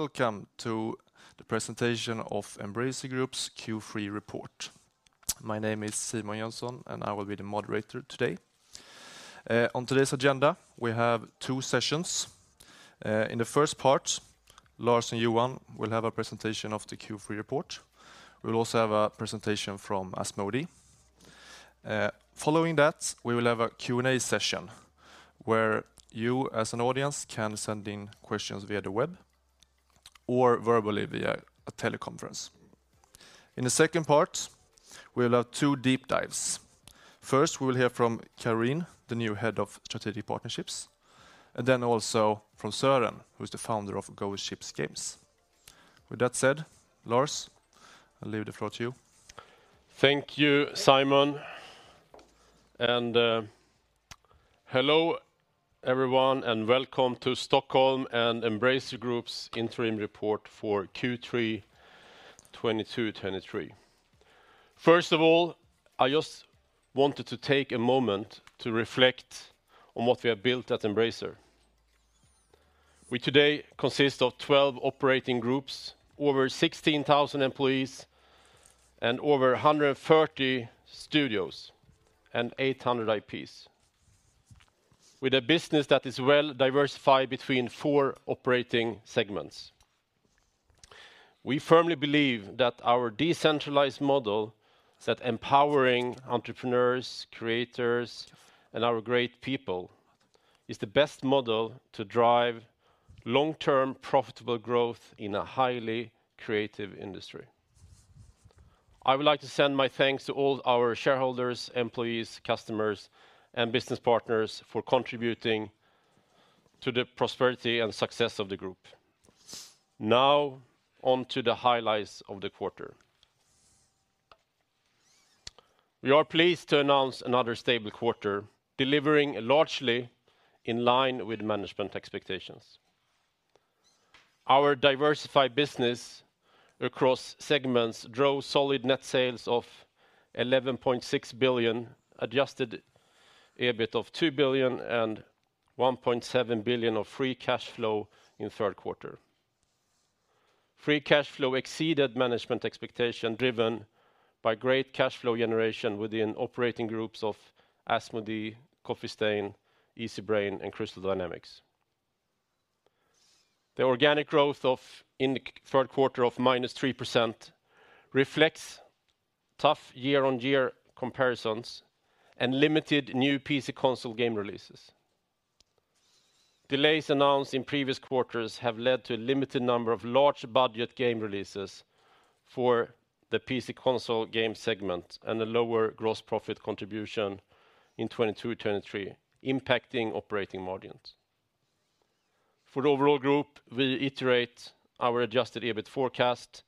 Welcome to the presentation of Embracer Group's Q3 report. My name is Simon Jönsson, and I will be the moderator today. On today's agenda, we have two sessions. In the first part, Lars and Johan will have a presentation of the Q3 report. We'll also have a presentation from Asmodee. Following that, we will have a Q&A session where you as an audience can send in questions via the web or verbally via a teleconference. In the second part, we will have two deep dives. First, we will hear from Careen, the new head of strategic partnerships, and then also from Søren, who is the founder of Ghost Ship Games. With that said, Lars, I leave the floor to you. Thank you, Simon. Hello, everyone, and welcome to Stockholm and Embracer Group's interim report for Q3 2022/2023. First of all, I just wanted to take a moment to reflect on what we have built at Embracer. We today consist of 12 operating groups, over 16,000 employees, and over 140 studios and 800 IPs, with a business that is well-diversified between four operating segments. We firmly believe that our decentralized model that empowering entrepreneurs, creators, and our great people is the best model to drive long-term profitable growth in a highly creative industry. I would like to send my thanks to all our shareholders, employees, customers, and business partners for contributing to the prosperity and success of the group. On to the highlights of the quarter. We are pleased to announce another stable quarter, delivering largely in line with management expectations. Our diversified business across segments drove solid net sales of 11.6 billion, Adjusted EBIT of 2 billion and 1.7 billion of free cash flow in third quarter. Free cash flow exceeded management expectation driven by great cash flow generation within operating groups of Asmodee, Coffee Stain, Easybrain, and Crystal Dynamics. The organic growth in the third quarter of -3% reflects tough year-on-year comparisons and limited new PC/Console Game releases. Delays announced in previous quarters have led to a limited number of large budget game releases for the PC/Console Game segment and a lower gross profit contribution in 2022/2023, impacting operating margins. For the overall group, we iterate our Adjusted EBIT forecast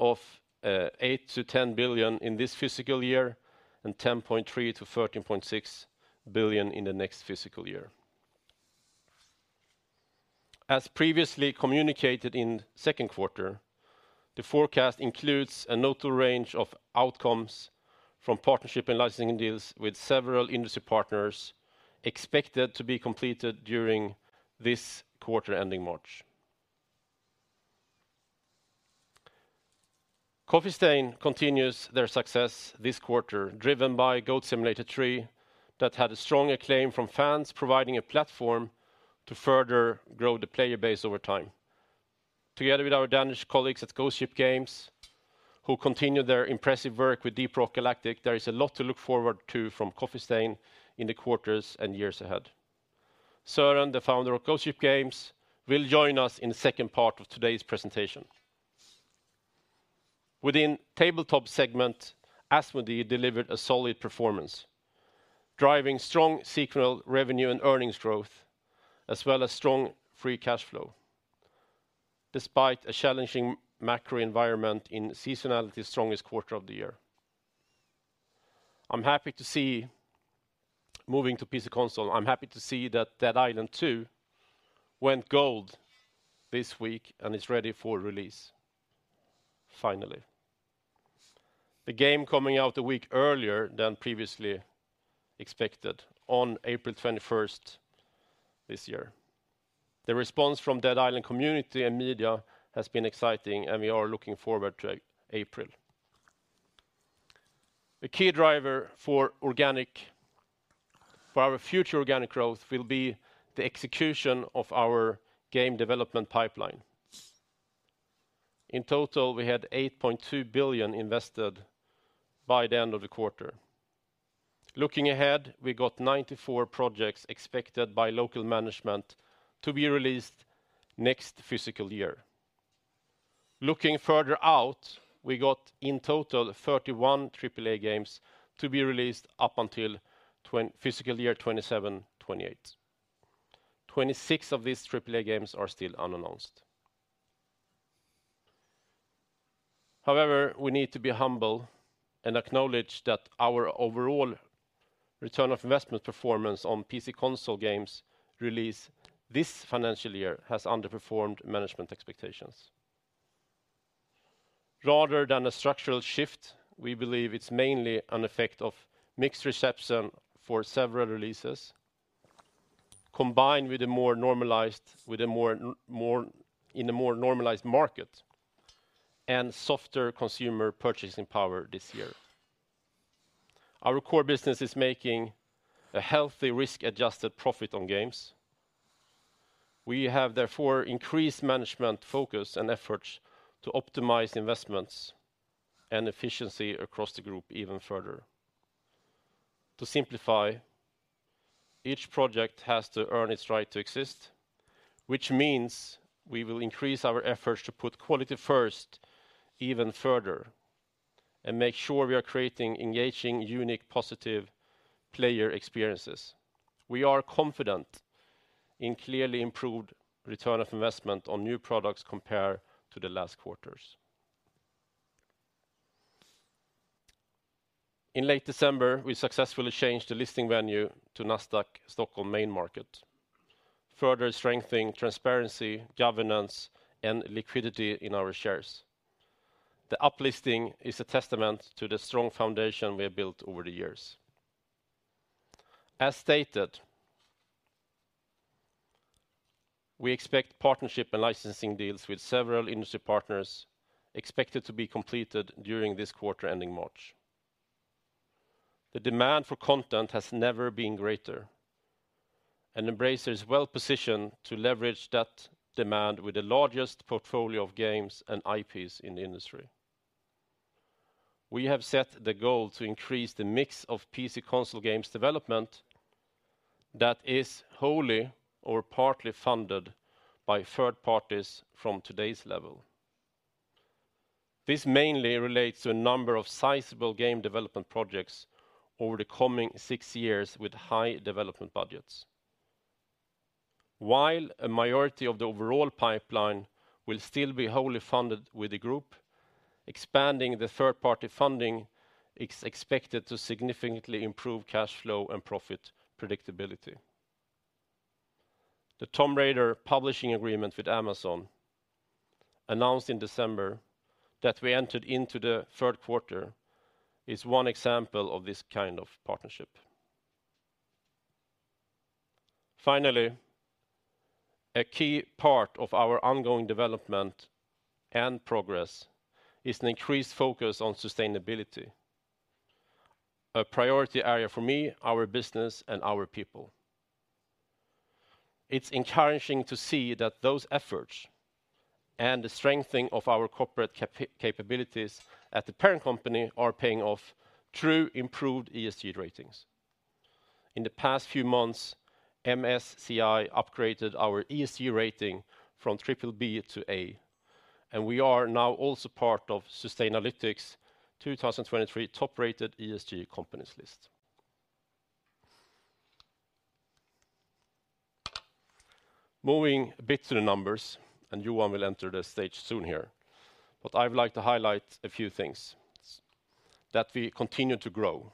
of 8 billion-10 billion in this fiscal year and 10.3 billion-13.6 billion in the next fiscal year. As previously communicated in second quarter, the forecast includes a notable range of outcomes from partnership and licensing deals with several industry partners expected to be completed during this quarter ending March. Coffee Stain continues their success this quarter, driven by Goat Simulator 3 that had a strong acclaim from fans providing a platform to further grow the player base over time. Together with our Danish colleagues at Ghost Ship Games, who continue their impressive work with Deep Rock Galactic, there is a lot to look forward to from Coffee Stain in the quarters and years ahead. Søren, the founder of Ghost Ship Games, will join us in the second part of today's presentation. Within Tabletop segment, Asmodee delivered a solid performance, driving strong sequel revenue and earnings growth, as well as strong free cash flow, despite a challenging macro environment in seasonality strongest quarter of the year. Moving to PC/Console, I'm happy to see that Dead Island 2 went gold this week and is ready for release finally. The game coming out a week earlier than previously expected on April 21st this year. The response from Dead Island community and media has been exciting, and we are looking forward to April. A key driver for our future organic growth will be the execution of our game development pipeline. In total, we had 8.2 billion invested by the end of the quarter. Looking ahead, we got 94 projects expected by local management to be released next physical year. Looking further out, we got in total 31 AAA games to be released up until physical year 2027/2028. 26 of these AAA games are still unannounced. However, we need to be humble and acknowledge that our overall return of investment performance on PC/Console Games released this financial year has underperformed management expectations. Rather than a structural shift, we believe it's mainly an effect of mixed reception for several releases, combined with a more normalized market and softer consumer purchasing power this year. Our core business is making a healthy risk-adjusted profit on games. We have therefore increased management focus and efforts to optimize investments and efficiency across the group even further. To simplify, each project has to earn its right to exist, which means we will increase our efforts to put quality first even further, and make sure we are creating engaging, unique, positive player experiences. We are confident in clearly improved return of investment on new products compared to the last quarters. In late December, we successfully changed the listing venue to Nasdaq Stockholm Main Market, further strengthening transparency, governance, and liquidity in our shares. The uplisting is a testament to the strong foundation we have built over the years. As stated, we expect partnership and licensing deals with several industry partners expected to be completed during this quarter ending March. The demand for content has never been greater, and Embracer is well-positioned to leverage that demand with the largest portfolio of games and IPs in the industry. We have set the goal to increase the mix of PC/Console Games development that is wholly or partly funded by third parties from today's level. This mainly relates to a number of sizable game development projects over the coming six years with high development budgets. While a majority of the overall pipeline will still be wholly funded with the group, expanding the third-party funding is expected to significantly improve cash flow and profit predictability. The Tomb Raider publishing agreement with Amazon announced in December that we entered into the third quarter is one example of this kind of partnership. A key part of our ongoing development and progress is an increased focus on sustainability, a priority area for me, our business, and our people. It's encouraging to see that those efforts and the strengthening of our corporate capabilities at the parent company are paying off through improved ESG ratings. In the past few months, MSCI upgraded our ESG rating from BBB to A, and we are now also part of Sustainalytics' 2023 top-rated ESG companies list. Moving a bit to the numbers. Johan will enter the stage soon here. I would like to highlight a few things: that we continue to grow,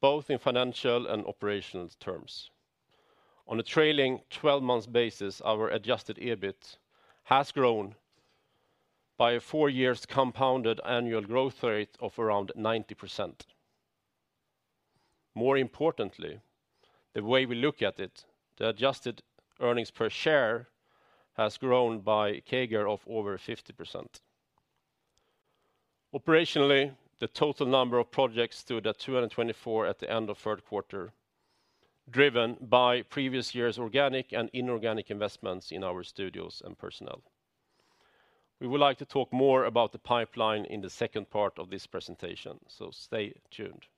both in financial and operational terms. On a trailing 12-month basis, our Adjusted EBIT has grown by a four years compounded annual growth rate of around 90%. More importantly, the way we look at it, the adjusted earnings per share has grown by CAGR of over 50%. Operationally, the total number of projects stood at 224 at the end of third quarter, driven by previous years' organic and inorganic investments in our studios and personnel. We would like to talk more about the pipeline in the second part of this presentation. Stay tuned.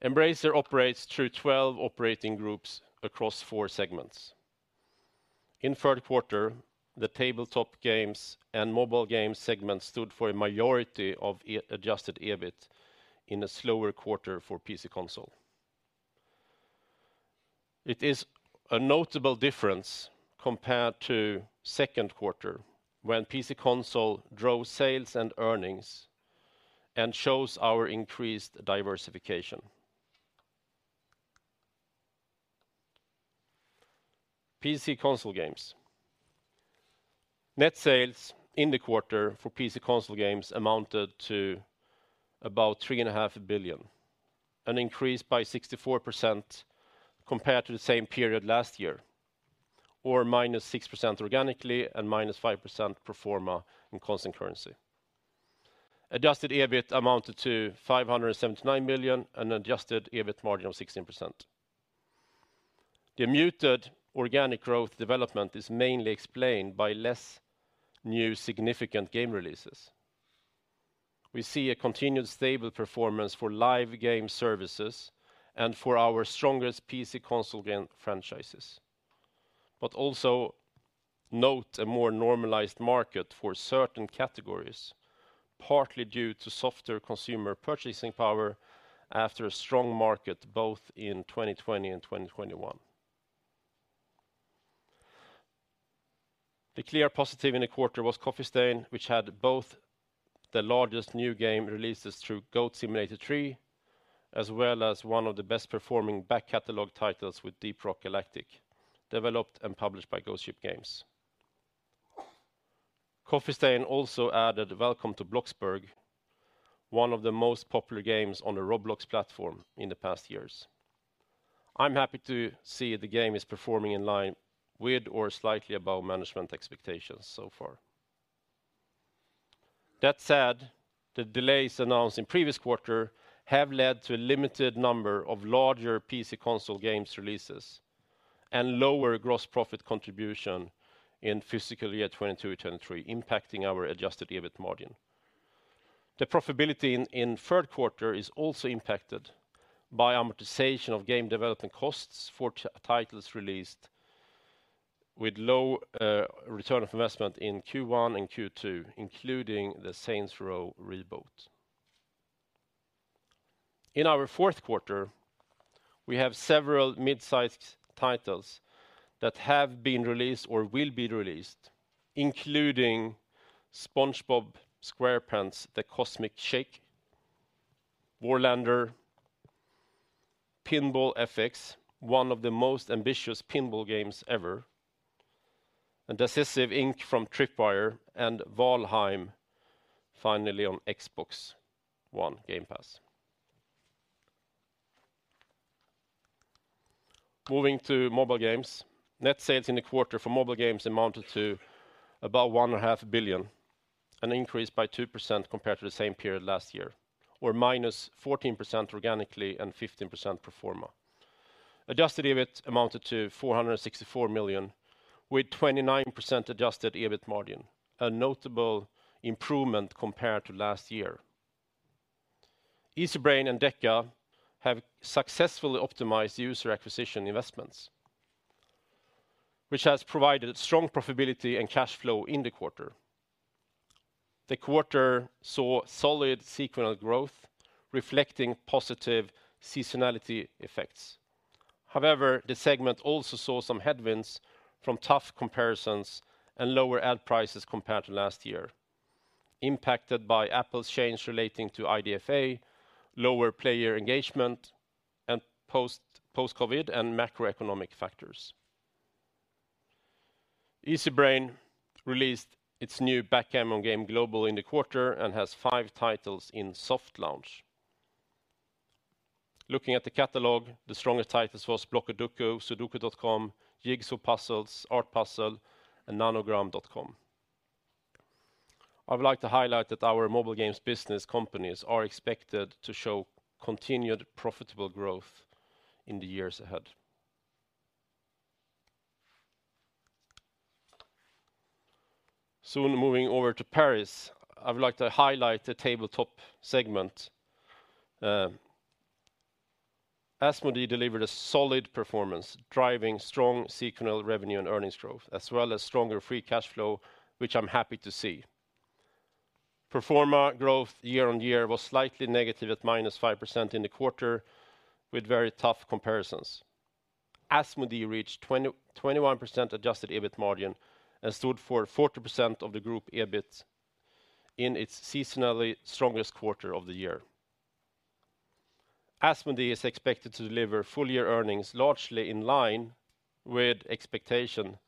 Embracer operates through 12 operating groups across four segments. In third quarter, the Tabletop games and Mobile Games segment stood for a majority of Adjusted EBIT in a slower quarter for PC/Console. It is a notable difference compared to second quarter when PC/Console drove sales and earnings and shows our increased diversification. PC/Console Games Net sales in the quarter for PC/Console Games amounted to about 3.5 Billion, an increase by 64% compared to the same period last year, or -6% organically and -5% pro forma in constant currency. Adjusted EBIT amounted to 579 million and Adjusted EBIT margin of 16%. The muted organic growth development is mainly explained by less new significant game releases. We see a continued stable performance for live game services and for our strongest PC/Console Game franchises. Also note a more normalized market for certain categories, partly due to softer consumer purchasing power after a strong market both in 2020 and 2021. The clear positive in the quarter was Coffee Stain, which had both the largest new game releases through Goat Simulator 3, as well as one of the best performing back catalog titles with Deep Rock Galactic, developed and published by Ghost Ship Games. Coffee Stain also added Welcome to Bloxburg, one of the most popular games on the Roblox platform in the past years. I'm happy to see the game is performing in line with or slightly above management expectations so far. That said, the delays announced in previous quarter have led to a limited number of larger PC/Console games releases and lower gross profit contribution in fiscal year 22 to 23, impacting our Adjusted EBIT margin. The profitability in third quarter is also impacted by amortization of game development costs for titles released with low ROI in Q1 and Q2, including the Saints Row reboot. In our fourth quarter, we have several mid-sized titles that have been released or will be released, including SpongeBob SquarePants: The Cosmic Shake, Warlander, Pinball FX, one of the most ambitious pinball games ever, and Deceive Inc. from Tripwire, and Valheim finally on Xbox One Game Pass. Moving to Mobile Games. Net sales in the quarter for Mobile Games amounted to about 1.5 billion, an increase by 2% compared to the same period last year, or minus 14% organically and 15% pro forma. Adjusted EBIT amounted to 464 million, with 29% Adjusted EBIT margin, a notable improvement compared to last year. Easybrain and DECA have successfully optimized user acquisition investments, which has provided strong profitability and cash flow in the quarter. The quarter saw solid sequential growth reflecting positive seasonality effects. However, the segment also saw some headwinds from tough comparisons and lower ad prices compared to last year, impacted by Apple's change relating to IDFA, lower player engagement, and post-COVID and macroeconomic factors. Easybrain released its new Backgammon game global in the quarter and has five titles in soft launch. Looking at the catalog, the strongest titles was Blockudoku, Sudoku.com, Jigsaw Puzzles, Art Puzzle, and Nonogram.com. Moving over to Paris, I would like to highlight the Tabletop segment. Asmodee delivered a solid performance, driving strong sequential revenue and earnings growth, as well as stronger free cash flow, which I'm happy to see. Pro forma growth year-on-year was slightly negative at -5% in the quarter with very tough comparisons. Asmodee reached 20%-21% Adjusted EBIT margin and stood for 40% of the group EBIT in its seasonally strongest quarter of the year. Asmodee is expected to deliver full year earnings largely in line with expectation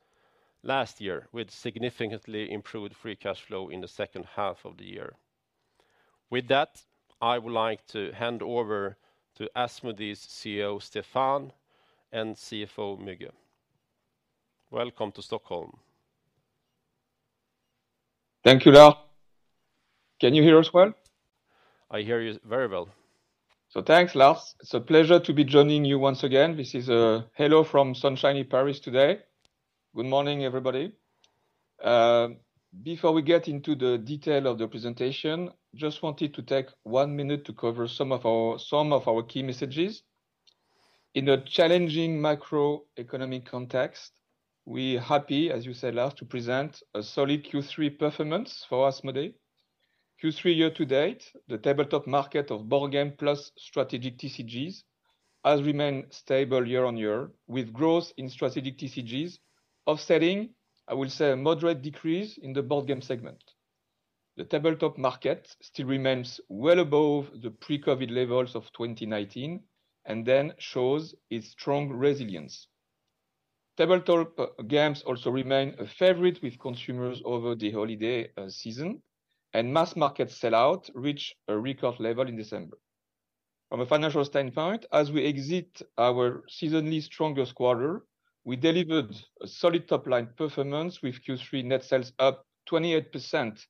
last year, with significantly improved free cash flow in the second half of the year. With that, I would like to hand over to Asmodee's CEO, Stéphane, and CFO, Andrea Gasparini. Welcome to Stockholm. Thank you, Lars. Can you hear us well? I hear you very well. Thanks, Lars. It's a pleasure to be joining you once again. This is, hello from sunshiny Paris today. Good morning, everybody. Before we get into the detail of the presentation, just wanted to take one minute to cover some of our key messages. In a challenging macroeconomic context, we are happy, as you said, Lars, to present a solid Q3 performance for Asmodee. Q3 year-to-date, the Tabletop market of board game plus strategic TCGs has remained stable year-on-year, with growth in strategic TCGs offsetting, I will say, a moderate decrease in the board game segment. The Tabletop market still remains well above the pre-COVID levels of 2019, shows its strong resilience. Tabletop games also remain a favorite with consumers over the holiday season, and mass-market sell-out reached a record level in December. From a financial standpoint, as we exit our seasonally strongest quarter, we delivered a solid top-line performance with Q3 net sales up 28%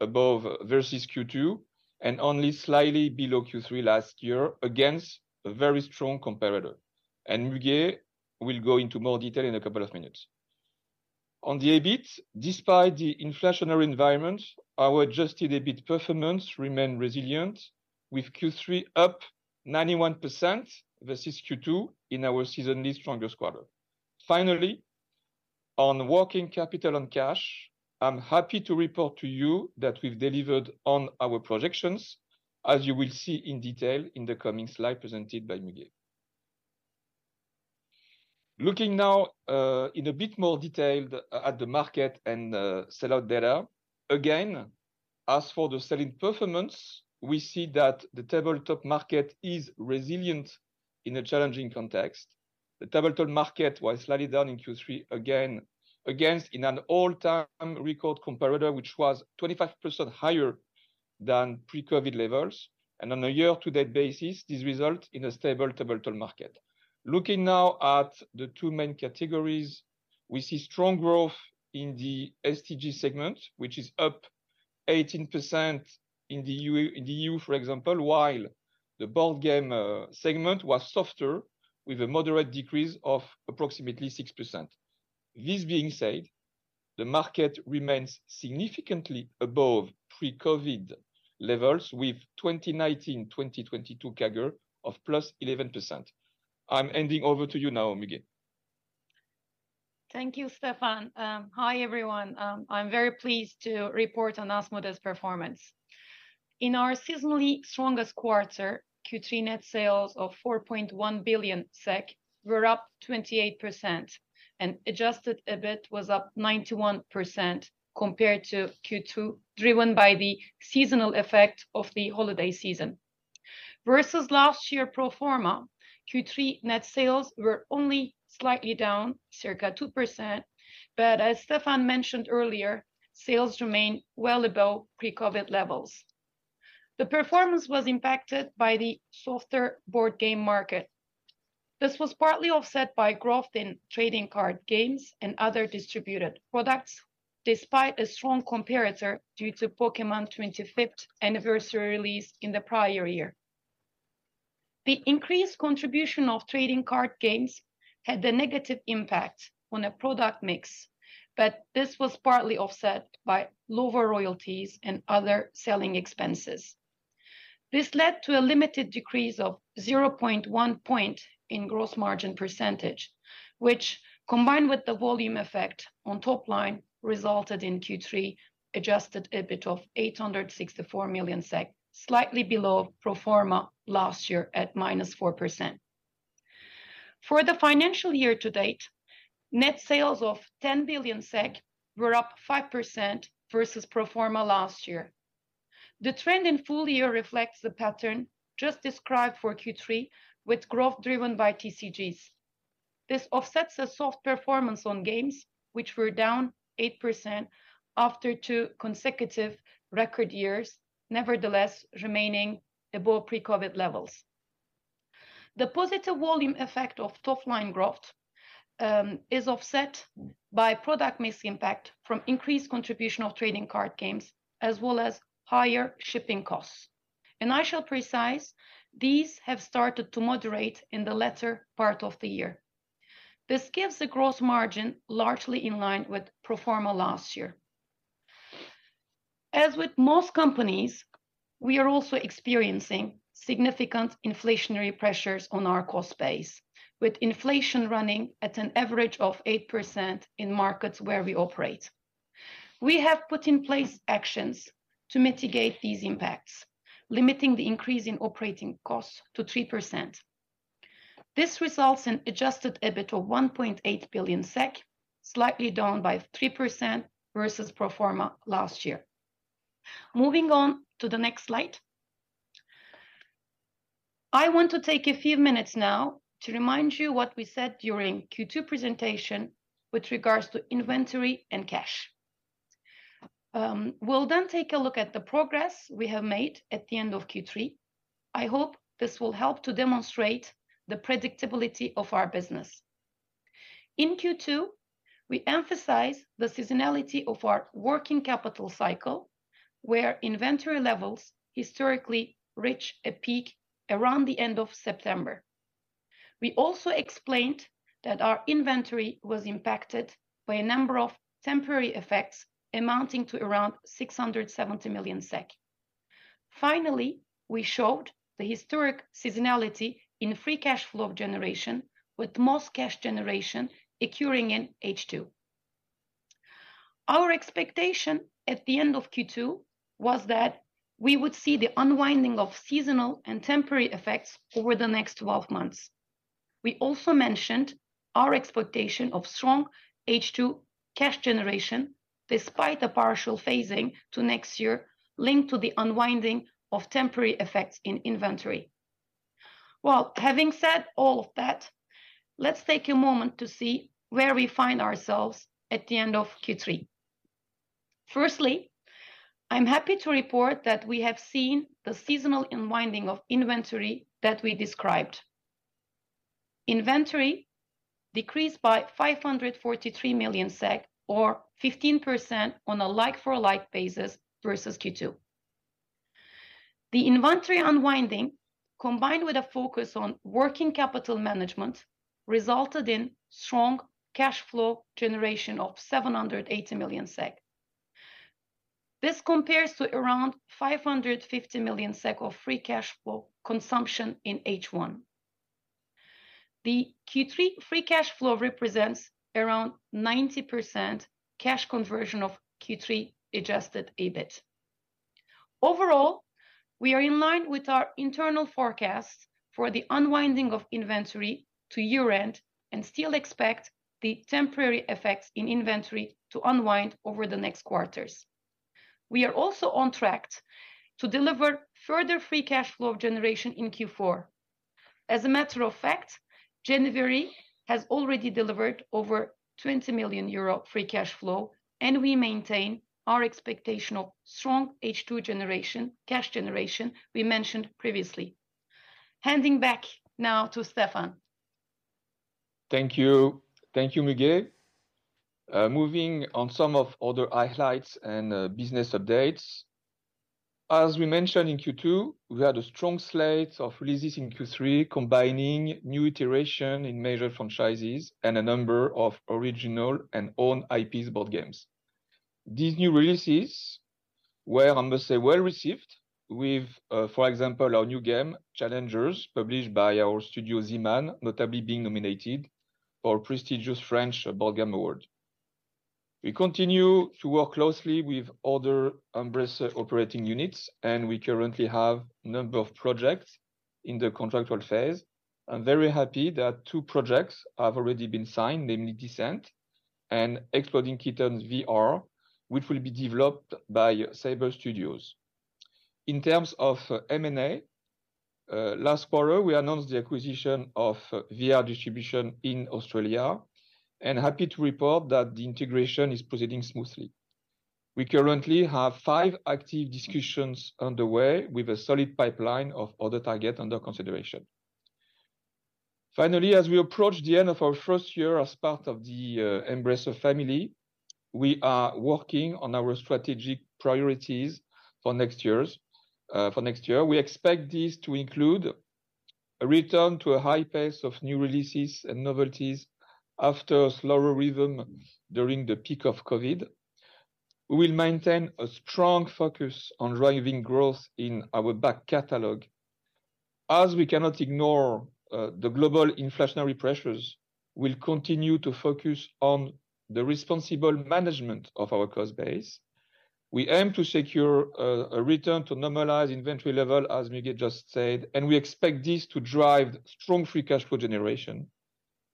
above versus Q2, and only slightly below Q3 last year against a very strong comparator. Müge will go into more detail in a couple of minutes. On the EBIT, despite the inflationary environment, our adjusted EBIT performance remained resilient with Q3 up 91% versus Q2 in our seasonally strongest quarter. Finally, on working capital and cash, I'm happy to report to you that we've delivered on our projections, as you will see in detail in the coming slide presented by Müge. Looking now in a bit more detail at the market and sell-out data. Again, as for the selling performance, we see that the Tabletop market is resilient in a challenging context. The Tabletop market was slightly down in Q3 against an all-time record comparator, which was 25% higher than pre-COVID levels. On a year-to-date basis, this result in a stable Tabletop market. Looking now at the two main categories, we see strong growth in the STG segment, which is up 18% in the EU, for example, while the board game segment was softer with a moderate decrease of approximately 6%. This being said, the market remains significantly above pre-COVID levels with 2019/2022 CAGR of +11%. I'm handing over to you now, Andrea Gasparini. Thank you, Stéphane. Hi, everyone. I'm very pleased to report on Asmodee's performance. In our seasonally strongest quarter, Q3 net sales of 4.1 billion SEK were up 28%, and Adjusted EBIT was up 91% compared to Q2, driven by the seasonal effect of the holiday season versus last year pro forma, Q3 net sales were only slightly down circa 2%. As Stéphane mentioned earlier, sales remain well above pre-COVID levels. The performance was impacted by the softer board game market. This was partly offset by growth in trading card games and other distributed products, despite a strong comparator due to Pokémon 25th anniversary release in the prior year. The increased contribution of trading card games had a negative impact on the product mix, this was partly offset by lower royalties and other selling expenses. This led to a limited decrease of 0.1 point in gross margin percentage, which combined with the volume effect on top line, resulted in Q3 Adjusted EBIT of 864 million SEK, slightly below pro forma last year at -4%. For the financial year to date, net sales of 10 billion SEK were up 5% versus pro forma last year. The trend in full year reflects the pattern just described for Q3 with growth driven by TCGs. This offsets a soft performance on games which were down 8% after two consecutive record years, nevertheless remaining above pre-COVID levels. The positive volume effect of top line growth is offset by product mix impact from increased contribution of trading card games, as well as higher shipping costs. I shall precise, these have started to moderate in the latter part of the year. This gives the gross margin largely in line with pro forma last year. As with most companies, we are also experiencing significant inflationary pressures on our cost base, with inflation running at an average of 8% in markets where we operate. We have put in place actions to mitigate these impacts, limiting the increase in operating costs to 3%. This results in Adjusted EBIT of 1.8 billion SEK, slightly down by 3% versus pro forma last year. Moving on to the next slide. I want to take a few minutes now to remind you what we said during Q2 presentation with regards to inventory and cash. We'll then take a look at the progress we have made at the end of Q3. I hope this will help to demonstrate the predictability of our business. In Q2, we emphasized the seasonality of our working capital cycle, where inventory levels historically reach a peak around the end of September. We also explained that our inventory was impacted by a number of temporary effects amounting to around 670 million SEK. Finally, we showed the historic seasonality in free cash flow generation, with most cash generation occurring in H2. Our expectation at the end of Q2 was that we would see the unwinding of seasonal and temporary effects over the next 12 months. We also mentioned our expectation of strong H2 cash generation despite the partial phasing to next year linked to the unwinding of temporary effects in inventory. Well, having said all of that, let's take a moment to see where we find ourselves at the end of Q3. Firstly, I'm happy to report that we have seen the seasonal unwinding of inventory that we described. Inventory decreased by 543 million SEK or 15% on a like-for-like basis versus Q2. The inventory unwinding, combined with a focus on working capital management, resulted in strong cash flow generation of 780 million SEK. This compares to around 550 million SEK of free cash flow consumption in H1. The Q3 free cash flow represents around 90% cash conversion of Q3 adjusted EBIT. We are in line with our internal forecast for the unwinding of inventory to year-end, and still expect the temporary effects in inventory to unwind over the next quarters. We are also on track to deliver further free cash flow generation in Q4. As a matter of fact, January has already delivered over 20 million euro free cash flow. We maintain our expectation of strong H2 generation, cash generation we mentioned previously. Handing back now to Stéphane. Thank you. Thank you, Müge. Moving on some of other highlights and business updates. As we mentioned in Q2, we had a strong slate of releases in Q3 combining new iteration in major franchises and a number of original and own IPs board games. These new releases were, I must say, well received with, for example, our new game, Challengers!, published by our studio Z-Man, notably being nominated for prestigious French Board Game Award. We continue to work closely with other Embracer operating units, we currently have number of projects in the contractual phase. I'm very happy that two projects have already been signed, namely Descent and Exploding Kittens VR, which will be developed by Saber Studios. In terms of M&A, last quarter, we announced the acquisition of VR Distribution in Australia, happy to report that the integration is proceeding smoothly. We currently have five active discussions underway with a solid pipeline of other target under consideration. Finally, as we approach the end of our first year as part of the Embracer family, we are working on our strategic priorities for next year. We expect this to include a return to a high pace of new releases and novelties after a slower rhythm during the peak of COVID. We'll maintain a strong focus on driving growth in our back catalog. As we cannot ignore the global inflationary pressures, we'll continue to focus on the responsible management of our cost base. We aim to secure a return to normalize inventory level, as Migge just said, and we expect this to drive strong free cash flow generation.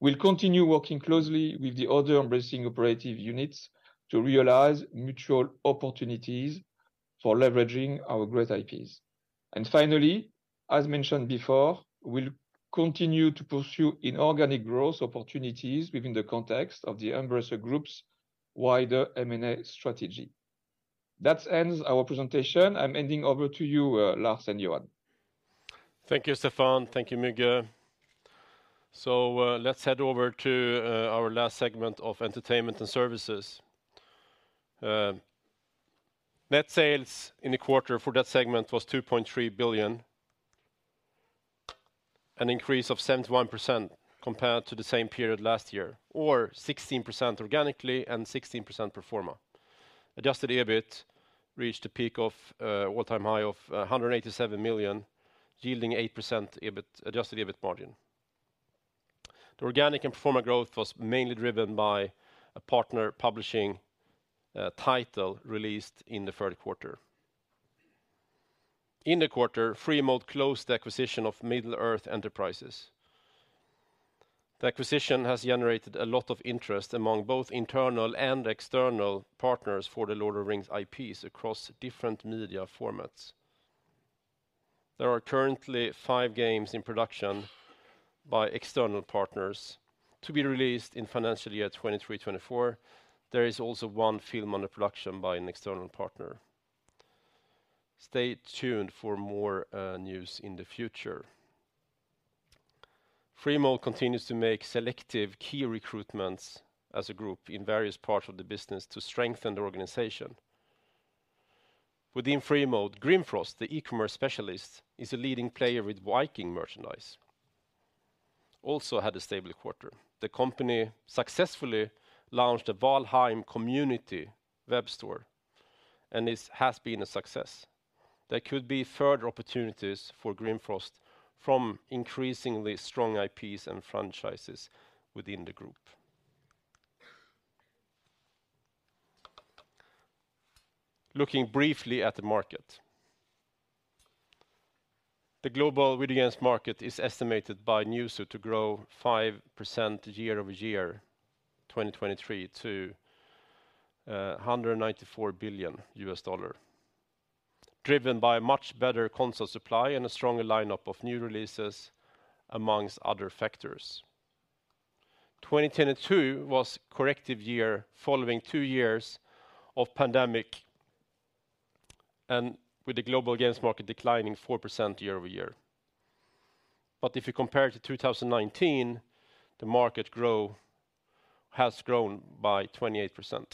We'll continue working closely with the other Embracer operative units to realize mutual opportunities for leveraging our great IPs. Finally, as mentioned before, we'll continue to pursue inorganic growth opportunities within the context of the Embracer Group's wider M&A strategy. That ends our presentation. I'm handing over to you, Lars and Johan. Thank you, Stéphane. Thank you, Müge. Let's head over to our last segment of entertainment and services. Net sales in the quarter for that segment was 2.3 billion, an increase of 71% compared to the same period last year or 16% organically and 16% pro forma. Adjusted EBIT reached a peak of all-time high of 187 million, yielding 8% adjusted EBIT margin. The organic and pro forma growth was mainly driven by a partner publishing a title released in the third quarter. In the quarter, Freemode closed the acquisition of Middle-earth Enterprises. The acquisition has generated a lot of interest among both internal and external partners for The Lord of the Rings IPs across different media formats. There are currently five games in production by external partners to be released in financial year 2023/2024. There is also one film under production by an external partner. Stay tuned for more news in the future. Freemode continues to make selective key recruitments as a group in various parts of the business to strengthen the organization. Within Freemode, Grimfrost, the e-commerce specialist, is a leading player with Viking merchandise, also had a stable quarter. The company successfully launched the Valheim Community web store, and this has been a success. There could be further opportunities for Grimfrost from increasingly strong IPs and franchises within the group. Looking briefly at the market. The global video games market is estimated by Newzoo to grow 5% year-over-year 2023 to $194 billion, driven by much better console supply and a stronger lineup of new releases amongst other factors. 2022 was corrective year following two years of pandemic, with the global games market declining 4% year-over-year. If you compare to 2019, the market has grown by 28%.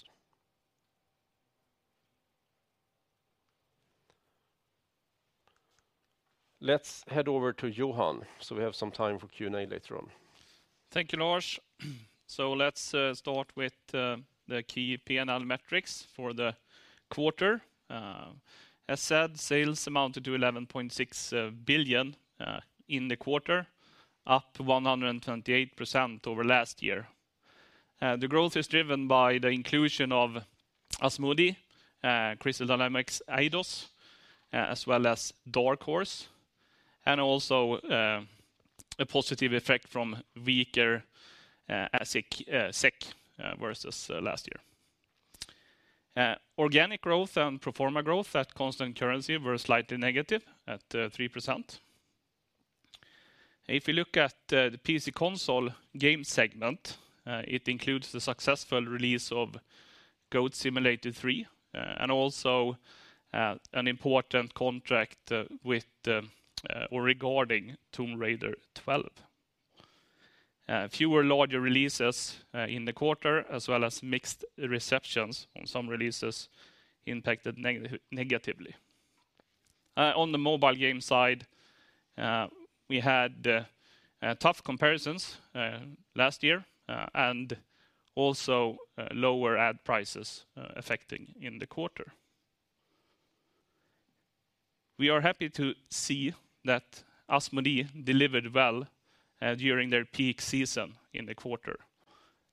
Let's head over to Johan. We have some time for Q&A later on. Thank you, Lars. Let's start with the key P&L metrics for the quarter. As said, sales amounted to 11.6 billion in the quarter, up 128% over last year. The growth is driven by the inclusion of Asmodee, Crystal Dynamics - Eidos, as well as Dark Horse, and also a positive effect from weaker SEK versus last year. Organic growth and pro forma growth at constant currency were slightly negative at 3%. If you look at the PC/Console Game segment, it includes the successful release of Goat Simulator 3, and also an important contract with or regarding Tomb Raider 12. Fewer larger releases in the quarter as well as mixed receptions on some releases impacted negatively. On the mobile game side, we had tough comparisons last year, lower ad prices affecting in the quarter. We are happy to see that Asmodee delivered well during their peak season in the quarter,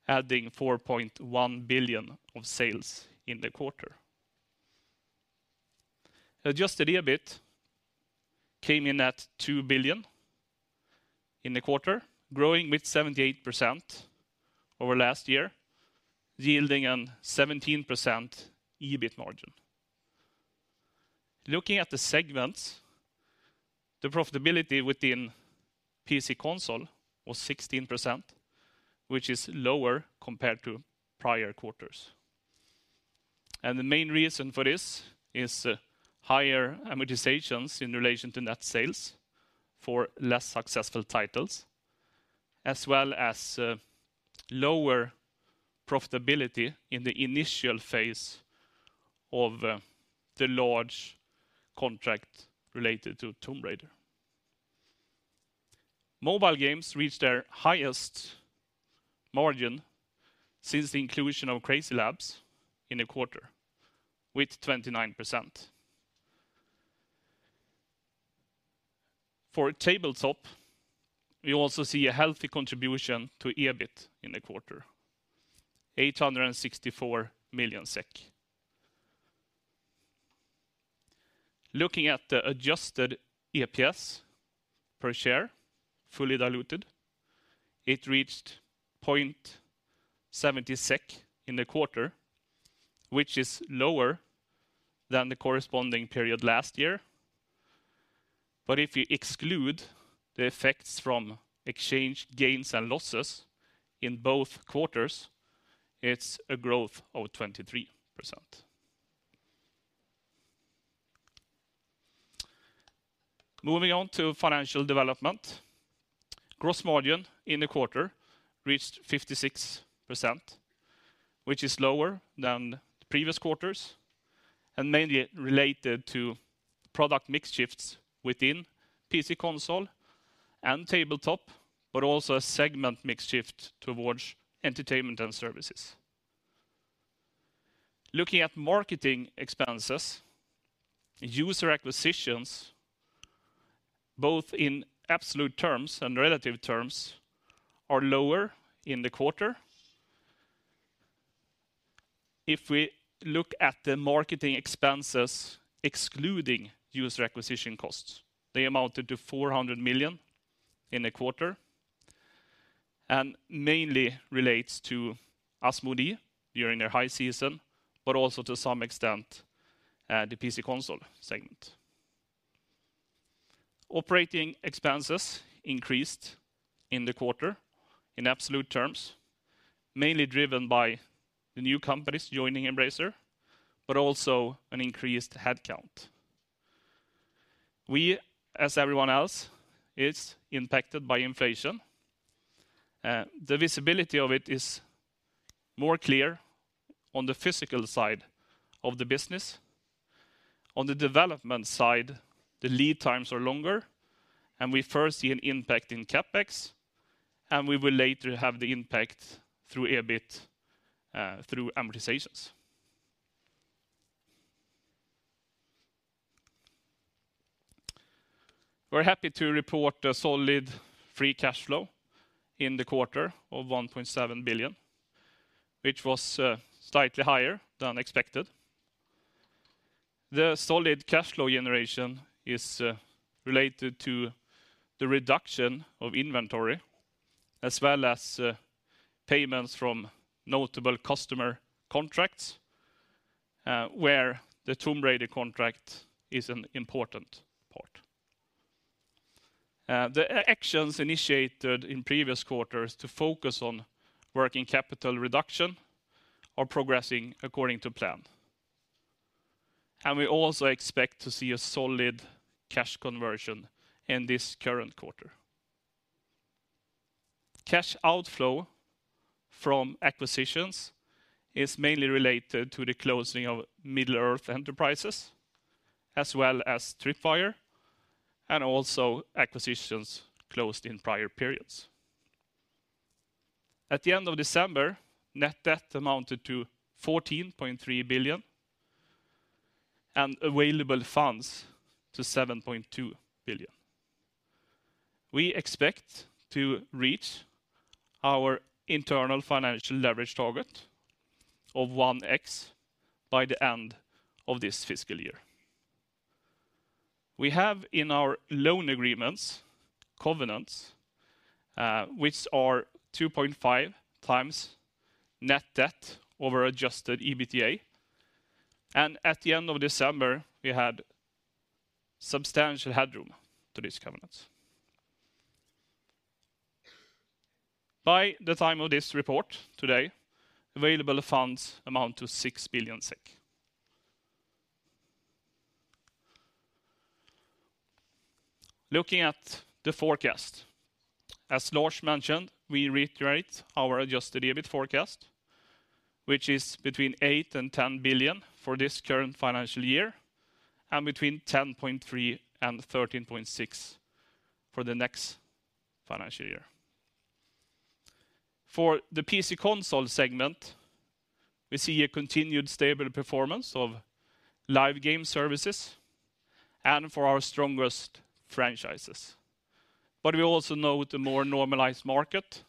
adding 4.1 billion of sales in the quarter. Adjusted EBIT came in at 2 billion in the quarter, growing with 78% over last year, yielding a 17% EBIT margin. Looking at the segments, the profitability within PC/Console was 16%, which is lower compared to prior quarters. The main reason for this is higher amortizations in relation to net sales for less successful titles, as well as lower profitability in the initial phase of the large contract related to Tomb Raider. Mobile games reached their highest margin since the inclusion of CrazyLabs in the quarter with 29%. For Tabletop, we also see a healthy contribution to EBIT in the quarter, 864 million SEK. Looking at the Adjusted EPS per share, fully diluted, it reached 0.70 SEK in the quarter, which is lower than the corresponding period last year. If you exclude the effects from exchange gains and losses in both quarters, it's a growth of 23%. Moving on to financial development. Gross margin in the quarter reached 56%, which is lower than previous quarters and mainly related to product mix shifts within PC/Console and Tabletop, but also a segment mix shift towards entertainment and services. Looking at marketing expenses, user acquisitions, both in absolute terms and relative terms, are lower in the quarter. If we look at the marketing expenses excluding user acquisition costs, they amounted to 400 million in the quarter, and mainly relates to Asmodee during their high season, but also to some extent, the PC/Console segment. Operating expenses increased in the quarter in absolute terms, mainly driven by the new companies joining Embracer, but also an increased headcount. We, as everyone else, is impacted by inflation. The visibility of it is more clear on the physical side of the business. On the development side, the lead times are longer, and we first see an impact in CapEx, and we will later have the impact through EBIT, through amortizations. We're happy to report a solid free cash flow in the quarter of 1.7 billion, which was slightly higher than expected. The solid cash flow generation is related to the reduction of inventory as well as payments from notable customer contracts, where the Tomb Raider contract is an important part. The actions initiated in previous quarters to focus on working capital reduction are progressing according to plan. We also expect to see a solid cash conversion in this current quarter. Cash outflow from acquisitions is mainly related to the closing of Middle-earth Enterprises, as well as Tripwire, and also acquisitions closed in prior periods. At the end of December, net debt amounted to 14.3 billion and available funds to 7.2 billion. We expect to reach our internal financial leverage target of 1x by the end of this fiscal year. We have in our loan agreements covenants, which are 2.5 times net debt over adjusted EBITDA. At the end of December, we had substantial headroom to these covenants. By the time of this report today, available funds amount to 6 billion SEK. Looking at the forecast, as Lars mentioned, we reiterate our Adjusted EBIT forecast, which is between 8 billion and 10 billion for this current financial year, and between 10.3 billion and 13.6 billion for the next financial year. For the PC/Console segment, we see a continued stable performance of live game services and for our strongest franchises. We also note a more normalized market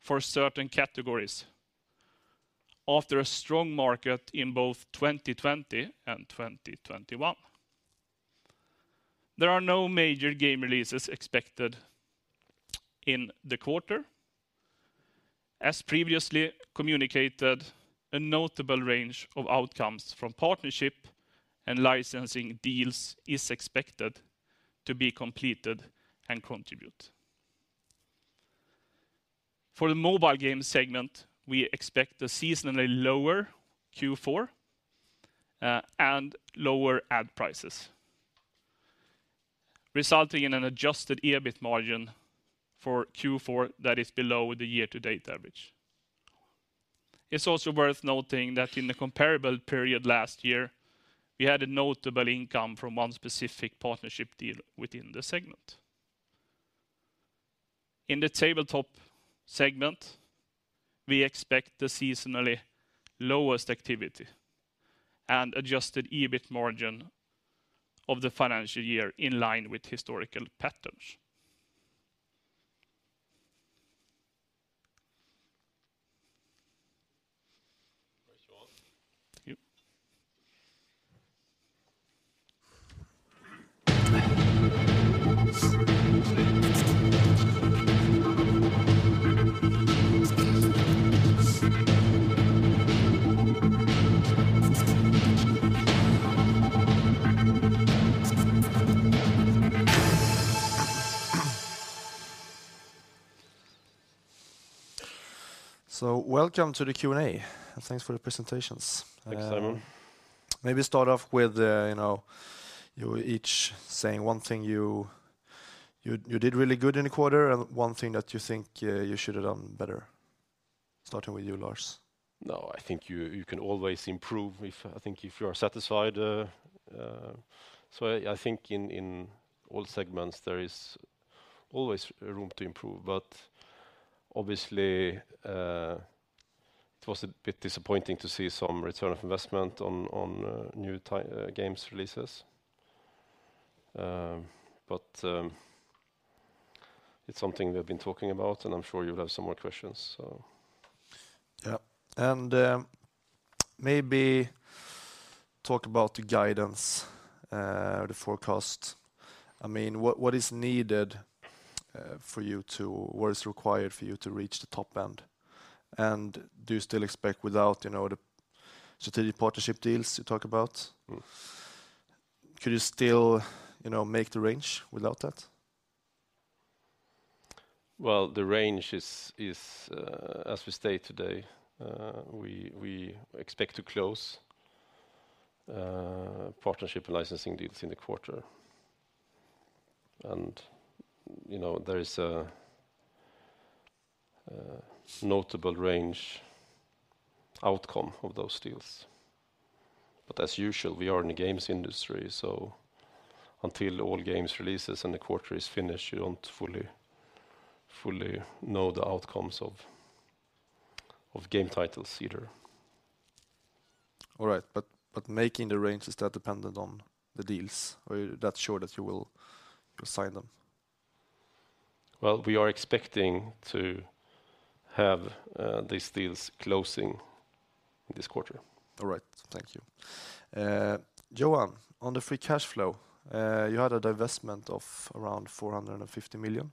for certain categories after a strong market in both 2020 and 2021. There are no major game releases expected in the quarter. As previously communicated, a notable range of outcomes from partnership and licensing deals is expected to be completed and contribute. For the Mobile Game segment, we expect a seasonally lower Q4, and lower ad prices, resulting in an Adjusted EBIT margin for Q4 that is below the year-to-date average. It's also worth noting that in the comparable period last year, we had a notable income from one specific partnership deal within the segment. In the Tabletop segment, we expect the seasonally lowest activity and Adjusted EBIT margin of the financial year in line with historical patterns. Thanks, Johan. Thank you. Welcome to the Q&A, and thanks for the presentations. Thank you, Simon. Maybe start off with, you know, you each saying one thing you did really good in the quarter and one thing that you think, you should have done better. Starting with you, Lars. No, I think you can always improve if you are satisfied. I think in all segments there is always room to improve, obviously, it was a bit disappointing to see some return of investment on new games releases. It's something we've been talking about, and I'm sure you'll have some more questions. Yeah. Maybe talk about the guidance or the forecast. I mean, what is needed for you to reach the top end? Do you still expect without, you know, the strategic partnership deals you talk about? Mm. Could you still, you know, make the range without that? Well, the range is as we state today, we expect to close partnership and licensing deals in the quarter. You know, there is a notable range outcome of those deals. As usual, we are in the games industry, so until all games releases and the quarter is finished, you don't fully know the outcomes of game titles either. All right. Making the range, is that dependent on the deals? Are you that sure that you will sign them? Well, we are expecting to have these deals closing this quarter. All right. Thank you. Johan, on the free cash flow, you had a divestment of around 450 million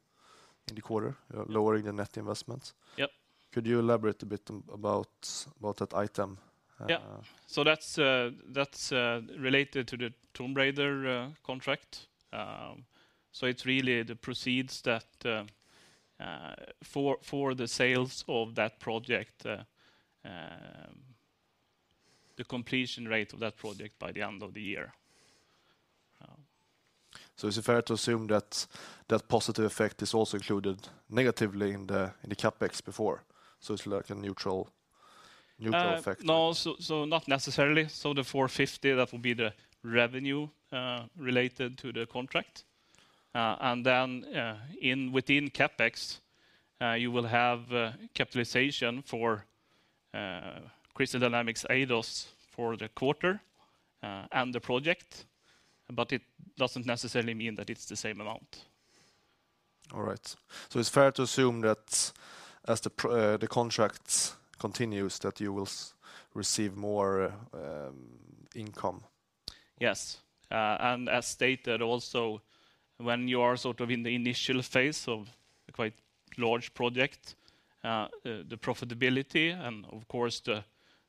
in the quarter, lowering the net investment. Yep. Could you elaborate a bit about that item? That's related to the Tomb Raider contract. It's really the proceeds that for the sales of that project, the completion rate of that project by the end of the year. Is it fair to assume that that positive effect is also included negatively in the, in the CapEx before? It's like a neutral effect. No, not necessarily. The 450, that will be the revenue, related to the contract. Then, in within CapEx, you will have capitalization for Crystal Dynamics- Eidos for the quarter, and the project, but it doesn't necessarily mean that it's the same amount. All right. It's fair to assume that as the contracts continues, that you will receive more income? Yes. As stated also, when you are sort of in the initial phase of a quite large project, the profitability and of course the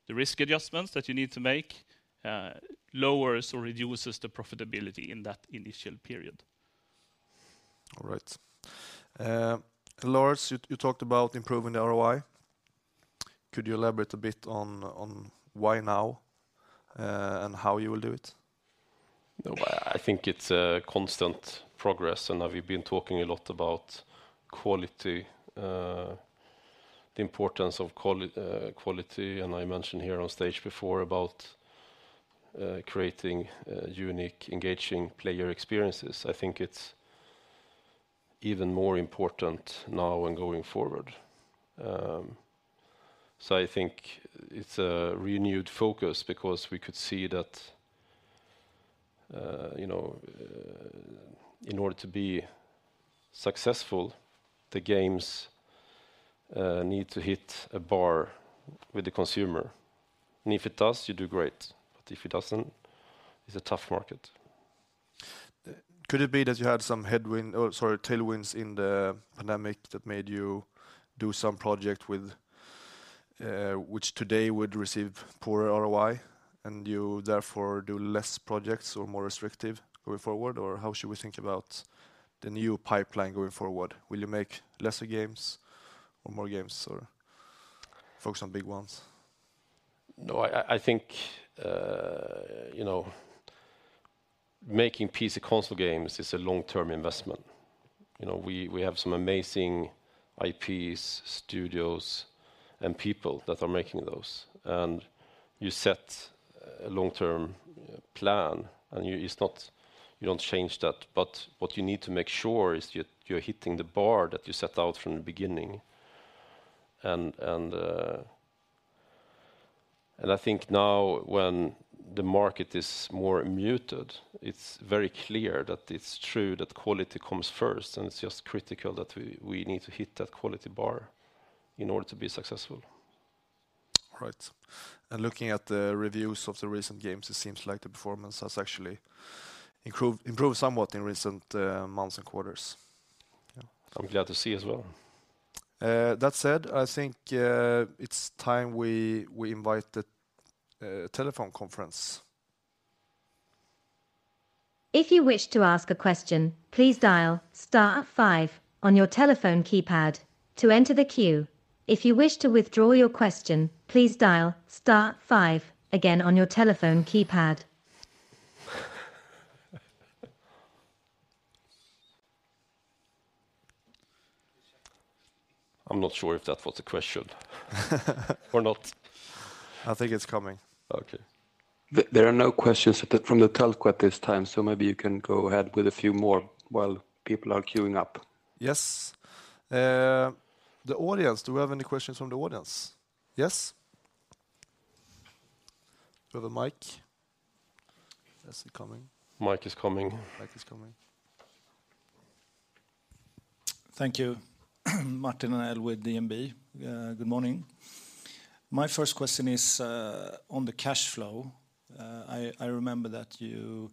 risk adjustments that you need to make, lowers or reduces the profitability in that initial period. All right. Lars, you talked about improving the ROI. Could you elaborate a bit on why now, and how you will do it? I think it's a constant progress. Now we've been talking a lot about quality, the importance of quality, I mentioned here on stage before about creating unique, engaging player experiences. I think it's even more important now and going forward. I think it's a renewed focus because we could see that, you know, in order to be successful, the games need to hit a bar with the consumer. If it does, you do great. If it doesn't, it's a tough market. Could it be that you had some headwind or sorry, tailwinds in the pandemic that made you do some project with, which today would receive poorer ROI, and you therefore do less projects or more restrictive going forward? How should we think about the new pipeline going forward? Will you make lesser games or more games or focus on big ones? No, I think, you know, making PC/Console Games is a long-term investment. You know, we have some amazing IPs, studios, and people that are making those. You set a long-term plan, you don't change that. What you need to make sure is you're hitting the bar that you set out from the beginning. I think now when the market is more muted, it's very clear that it's true that quality comes first, and it's just critical that we need to hit that quality bar in order to be successful. Right. Looking at the reviews of the recent games, it seems like the performance has actually improved somewhat in recent months and quarters. Yeah. I'm glad to see as well. That said, I think, it's time we invite the telephone conference. If you wish to ask a question, please dial star five on your telephone keypad to enter the queue. If you wish to withdraw your question, please dial star five again on your telephone keypad. I'm not sure if that was a question or not. I think it's coming. Okay. There are no questions from the telco at this time. Maybe you can go ahead with a few more while people are queuing up. Yes. The audience, do we have any questions from the audience? Yes. Do we have a mic that's coming? Mic is coming. Mic is coming. Thank you, Martin Arnell, DNB. Good morning. My first question is on the cash flow. I remember that you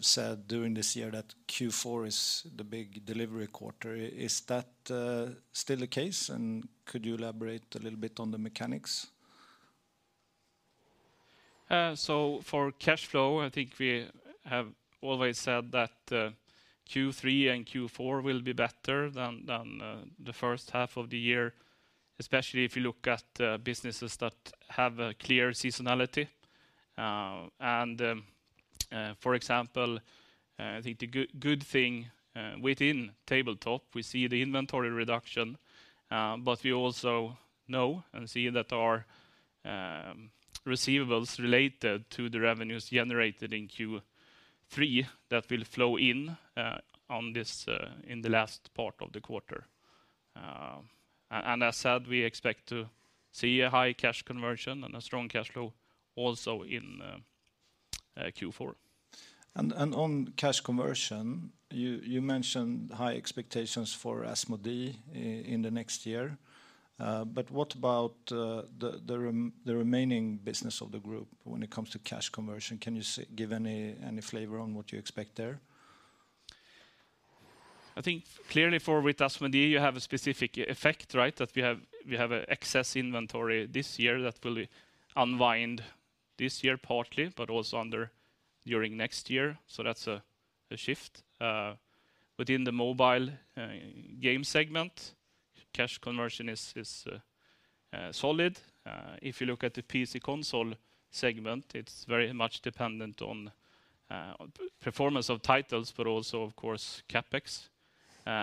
said during this year that Q4 is the big delivery quarter. Is that still the case? Could you elaborate a little bit on the mechanics? For cash flow, I think we have always said that Q3 and Q4 will be better than the first half of the year, especially if you look at businesses that have a clear seasonality. For example, I think the good thing within Tabletop, we see the inventory reduction, but we also know and see that our receivables related to the revenues generated in Q3 that will flow in on this in the last part of the quarter. As said, we expect to see a high cash conversion and a strong cash flow also in Q4. On cash conversion, you mentioned high expectations for Asmodee in the next year. What about the remaining business of the group when it comes to cash conversion? Can you give any flavor on what you expect there? I think clearly for with Asmodee, you have a specific effect, right? That we have a excess inventory this year that will unwind this year partly, but also under during next year. That's a shift. Within the mobile game segment cash conversion is solid. If you look at the PC/Console segment, it's very much dependent on performance of titles, but also, of course, CapEx,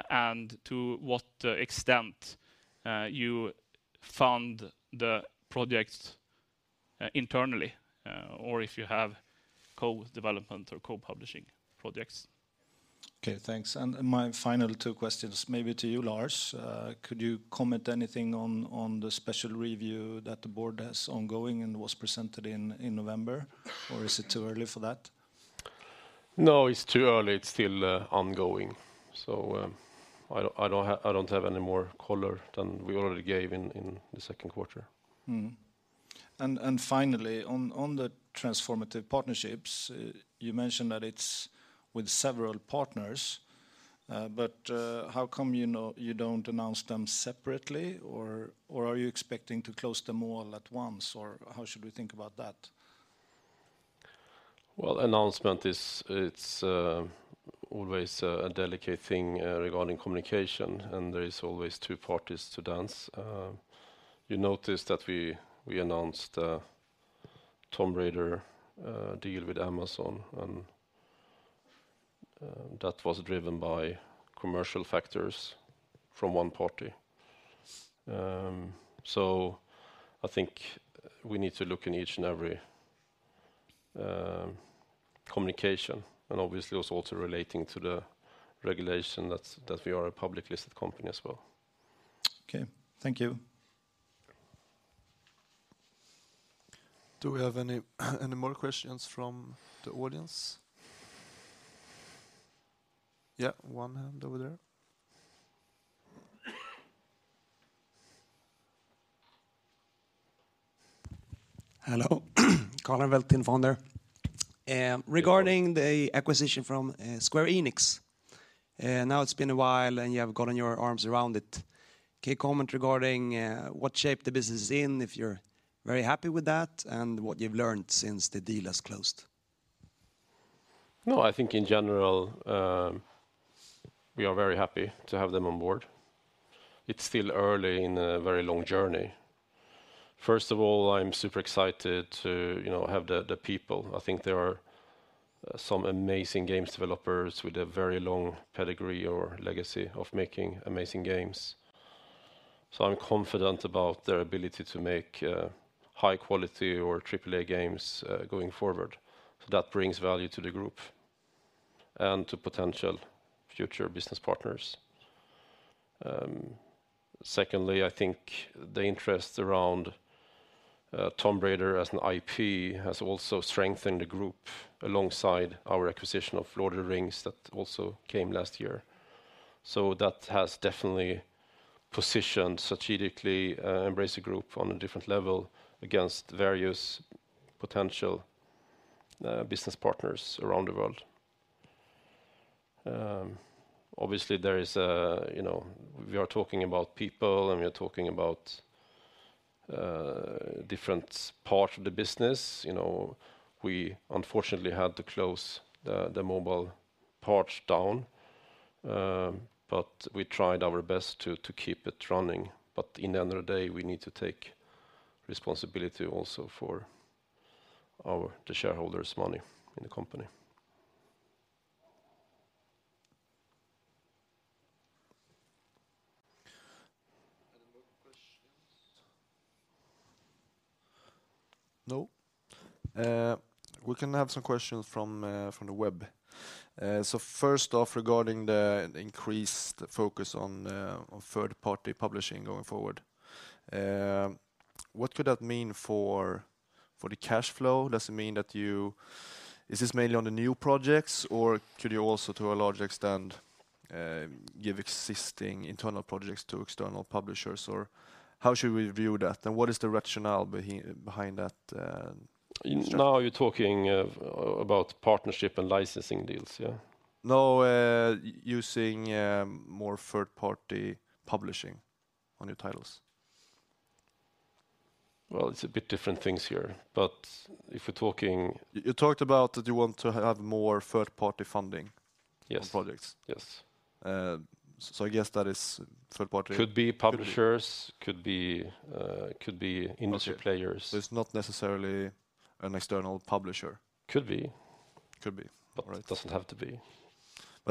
and to what extent you find the projects. Internally, or if you have co-development or co-publishing projects. Okay, thanks. My final two questions, maybe to you, Lars. Could you comment anything on the special review that the board has ongoing and was presented in November? Or is it too early for that? No, it's too early. It's still ongoing. I don't have any more color than we already gave in the second quarter. Mm-hmm. Finally, on the transformative partnerships, you mentioned that it's with several partners. How come you know you don't announce them separately, or are you expecting to close them all at once, or how should we think about that? Announcement it's always a delicate thing regarding communication, and there is always two parties to dance. You notice that we announced a Tomb Raider deal with Amazon, and that was driven by commercial factors from one party. I think we need to look in each and every communication, and obviously also relating to the regulation that we are a publicly listed company as well. Okay. Thank you. Do we have any more questions from the audience? Yeah, one hand over there. Hello. Uncertain. Regarding the acquisition from Square Enix, now it's been a while, and you have gotten your arms around it. Can you comment regarding what shape the business is in, if you're very happy with that, and what you've learned since the deal has closed? I think in general, we are very happy to have them on board. It's still early in a very long journey. First of all, I'm super excited to, you know, have the people. I think there are some amazing games developers with a very long pedigree or legacy of making amazing games. I'm confident about their ability to make high quality or AAA games going forward. That brings value to the group and to potential future business partners. Secondly, I think the interest around Tomb Raider as an IP has also strengthened the group alongside our acquisition of Lord of the Rings that also came last year. That has definitely positioned strategically Embracer Group on a different level against various potential business partners around the world. Obviously, there is, you know, we are talking about people. We are talking about different parts of the business. You know, we unfortunately had to close the mobile parts down, but we tried our best to keep it running. In the end of the day, we need to take responsibility also for the shareholders' money in the company. Any more questions? No? We can have some questions from the web. First off, regarding the increased focus on third-party publishing going forward, what could that mean for the cash flow? Does it mean that Is this mainly on the new projects, or could you also, to a large extent, give existing internal projects to external publishers, or how should we view that? What is the rationale behind that strategy? Now you're talking about partnership and licensing deals, yeah? Using more third-party publishing on your titles. Well, it's a bit different things here. If we're talking- You talked about that you want to have more third-party funding- Yes on projects. Yes. I guess that is third party. Could be publishers, could be, could be industry players. It's not necessarily an external publisher? Could be. Could be. All right. It doesn't have to be.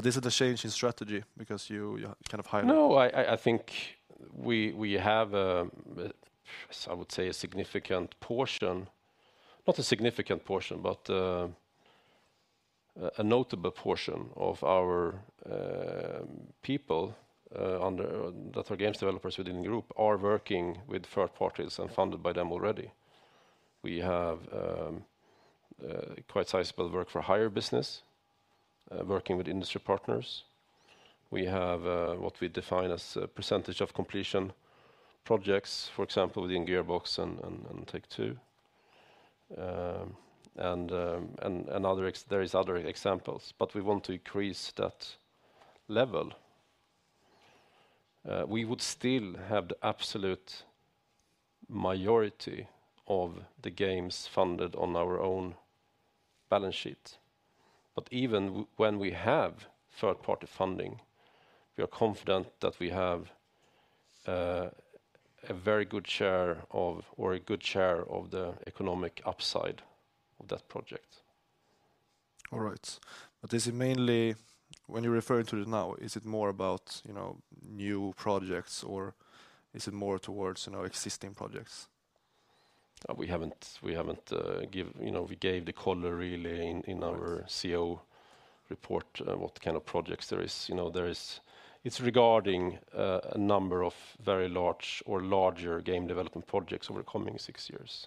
Is it a change in strategy because you kind of hired-. No we have a significant portion, not a significant portion, but a notable portion of our people that are games developers within the group are working with third parties and funded by them already. We have quite sizable work for hire business working with industry partners. We have what we define as percentage of completion projects, for example, within Gearbox and Take-Two. And there is other examples, but we want to increase that level. We would still have the absolute majority of the games funded on our own balance sheet. But even when we have third-party funding, we are confident that we have a very good share of, or a good share of the economic upside of that project All right. Is it mainly when you're referring to it now, is it more about, you know, new projects, or is it more towards, you know, existing projects? We haven't, you know, we gave the color really in our CO report, what kind of projects there is. You know, it's regarding, a number of very large or larger game development projects over coming six years.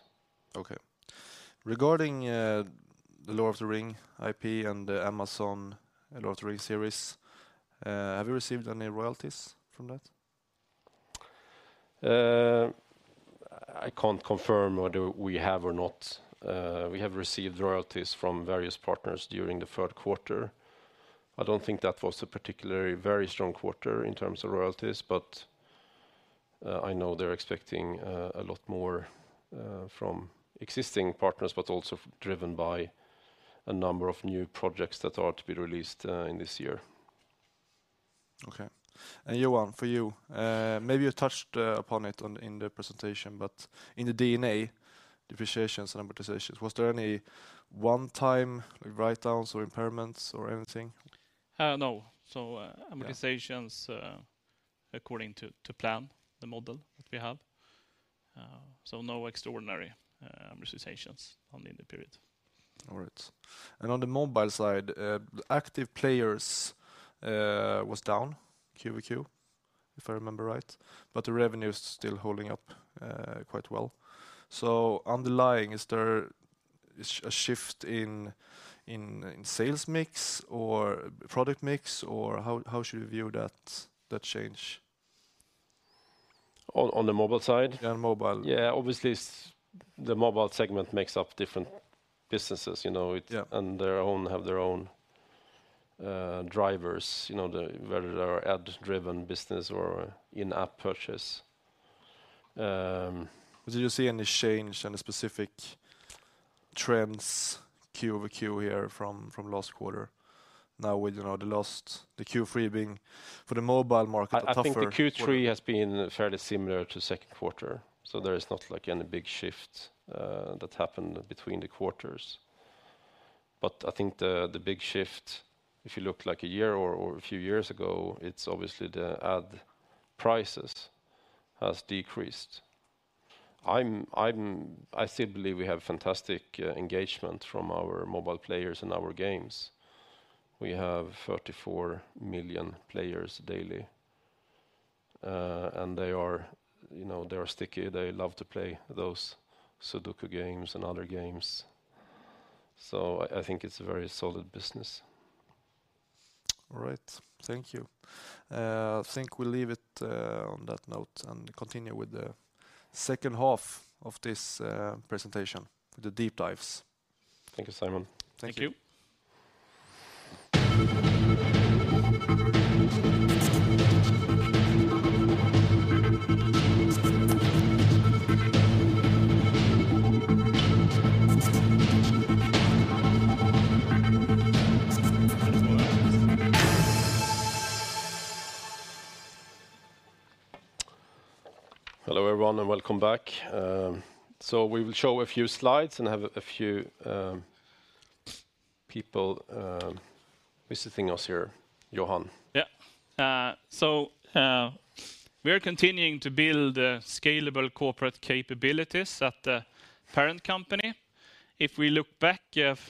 Okay. Regarding, the Lord of the Ring IP and the Amazon Lord of the Ring series, have you received any royalties from that? I can't confirm whether we have or not. We have received royalties from various partners during the 3rd quarter. I don't think that was a particularly very strong quarter in terms of royalties, but I know they're expecting a lot more from existing partners, but also driven by a number of new projects that are to be released in this year. Okay. Johan, for you, maybe you touched upon it in the presentation, in the DNB depreciations and amortizations, was there any one time, like, write-downs or impairments or anything? no. Yeah... amortizations, according to plan, the model that we have. No extraordinary amortizations on in the period. All right. On the mobile side, active players, was down Q over Q, if I remember right, but the revenue is still holding up, quite well. Underlying, is there a shift in, in sales mix or product mix, or how should we view that change? On the mobile side? Yeah, on mobile. Yeah, obviously the Mobile segment makes up different businesses, you know. Yeah and their own have their own drivers, you know, the whether they are ad-driven business or in-app purchase. Do you see any change, any specific trends Q over Q here from last quarter now with, you know, the last, the Q3 being for the mobile market a tougher quarter? I think the Q3 has been fairly similar to second quarter. There is not like any big shift that happened between the quarters. I think the big shift, if you look like a year or a few years ago, it's obviously the ad prices has decreased. I still believe we have fantastic engagement from our mobile players and our games. We have 34 million players daily, and they are, you know, sticky. They love to play those Sudoku games and other games. I think it's a very solid business. All right. Thank you. I think we'll leave it on that note and continue with the second half of this presentation with the deep dives. Thank you, Simon. Thank you. Thank you. Hello, everyone, and welcome back. We will show a few slides and have a few people visiting us here, Johan. Yeah. So, we are continuing to build scalable corporate capabilities at the parent company. If we look back,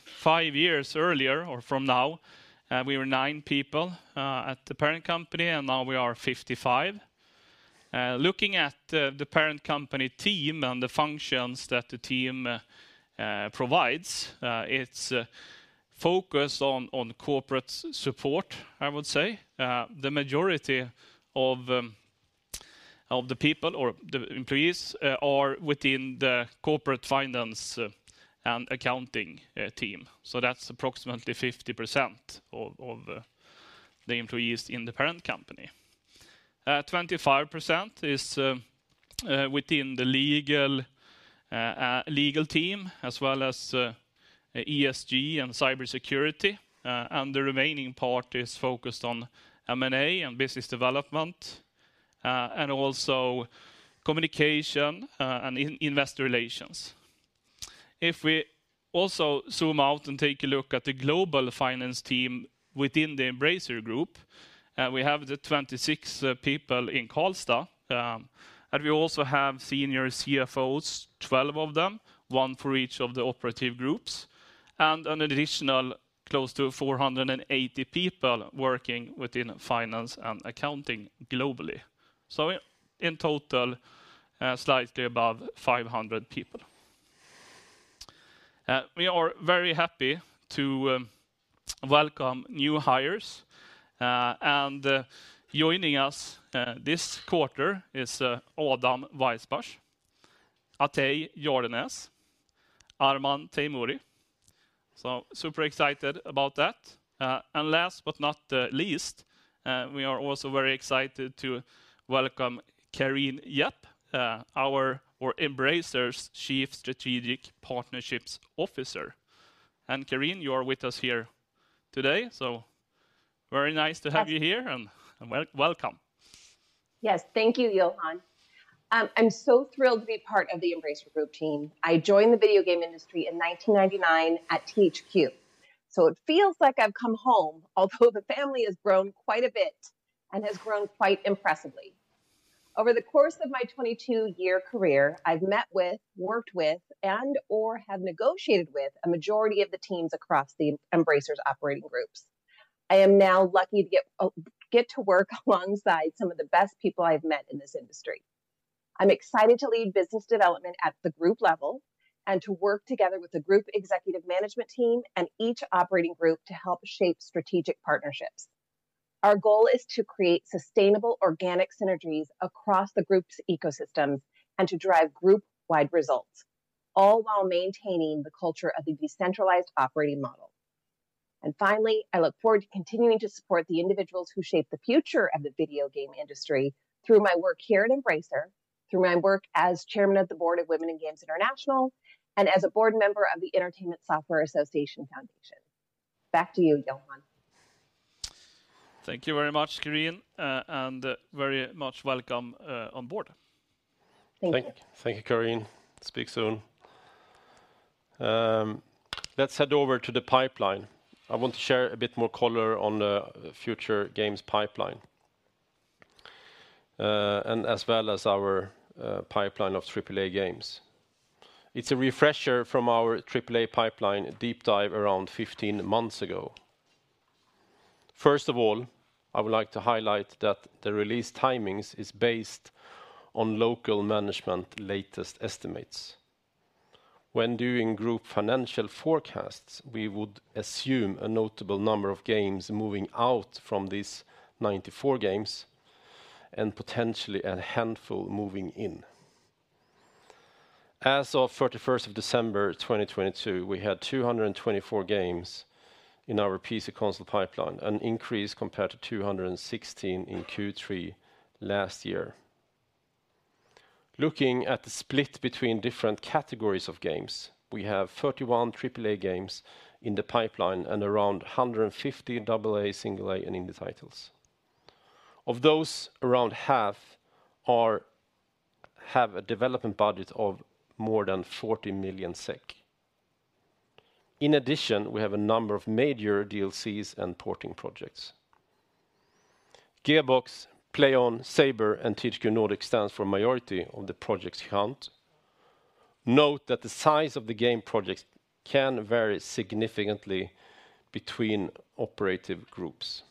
five years earlier or from now, we were 9 people at the parent company, and now we are 55. Looking at the parent company team and the functions that the team provides, it's focus on corporate support, I would say. The majority of the people or the employees are within the corporate finance and accounting team. That's approximately 50% of the employees in the parent company. 25% is within the legal team, as well as ESG and cybersecurity. The remaining part is focused on M&A and business development, and also communication and investor relations. If we also zoom out and take a look at the global finance team within the Embracer Group, we have the 26 people in Karlstad. We also have senior CFOs, 12 of them, one for each of the operative groups, and an additional close to 480 people working within finance and accounting globally. In total, slightly above 500 people. We are very happy to welcome new hires, and joining us this quarter is Adam Weissbach, Atieh Jardenäs, Arman Teimouri. So super excited about that. Last but not least, we are also very excited to welcome Careen Yapp, our or Embracer's Chief Strategic Partnerships Officer. Careen, you are with us here today, so very nice to have you here. Yes Welcome. Yes. Thank you, Johan. I'm so thrilled to be part of the Embracer Group team. I joined the video game industry in 1999 at THQ, it feels like I've come home, although the family has grown quite a bit and has grown quite impressively. Over the course of my 22-year career, I've met with, worked with, and/or have negotiated with a majority of the teams across the Embracer's operating groups. I am now lucky to get to work alongside some of the best people I've met in this industry. I'm excited to lead business development at the group level and to work together with the Group Executive Management team and each operating group to help shape strategic partnerships. Our goal is to create sustainable organic synergies across the group's ecosystems and to drive group-wide results, all while maintaining the culture of the decentralized operating model. Finally, I look forward to continuing to support the individuals who shape the future of the video game industry through my work here at Embracer, through my work as Chairman of the board of Women in Games International, and as a board member of the Entertainment Software Association Foundation. Back to you, Johan. Thank you very much, Careen, and very much welcome, on board. Thank you. Thank you, Careen. Speak soon. Let's head over to the pipeline. I want to share a bit more color on the future games pipeline, and as well as our pipeline of AAA games. It's a refresher from our AAA pipeline deep dive around 15 months ago. First of all, I would like to highlight that the release timings is based on local management latest estimates. When doing group financial forecasts, we would assume a notable number of games moving out from these 94 games and potentially a handful moving in. As of 31st of December 2022, we had 224 games in our PC/Console pipeline, an increase compared to 216 in Q3 last year. Looking at the split between different categories of games, we have 31 AAA games in the pipeline and around 150 AA/A, and indie titles. Of those, around half have a development budget of more than 40 million SEK. In addition, we have a number of major DLCs and porting projects. Gearbox, Plaion, Saber, and THQ Nordic stands for majority of the projects count. Note that the size of the game projects can vary significantly between operative groups.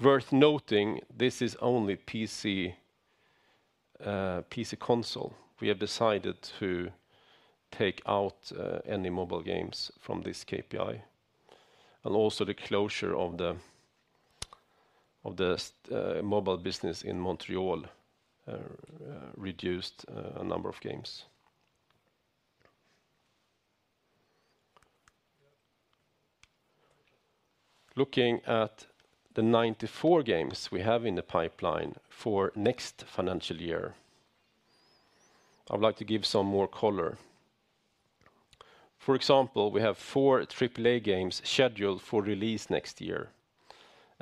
Worth noting, this is only PC/Console. We have decided to take out any Mobile Games from this KPI, and also the closure of the mobile business in Montreal reduced a number of games. Looking at the 94 games we have in the pipeline for next financial year, I would like to give some more color. For example, we have four AAA games scheduled for release next year,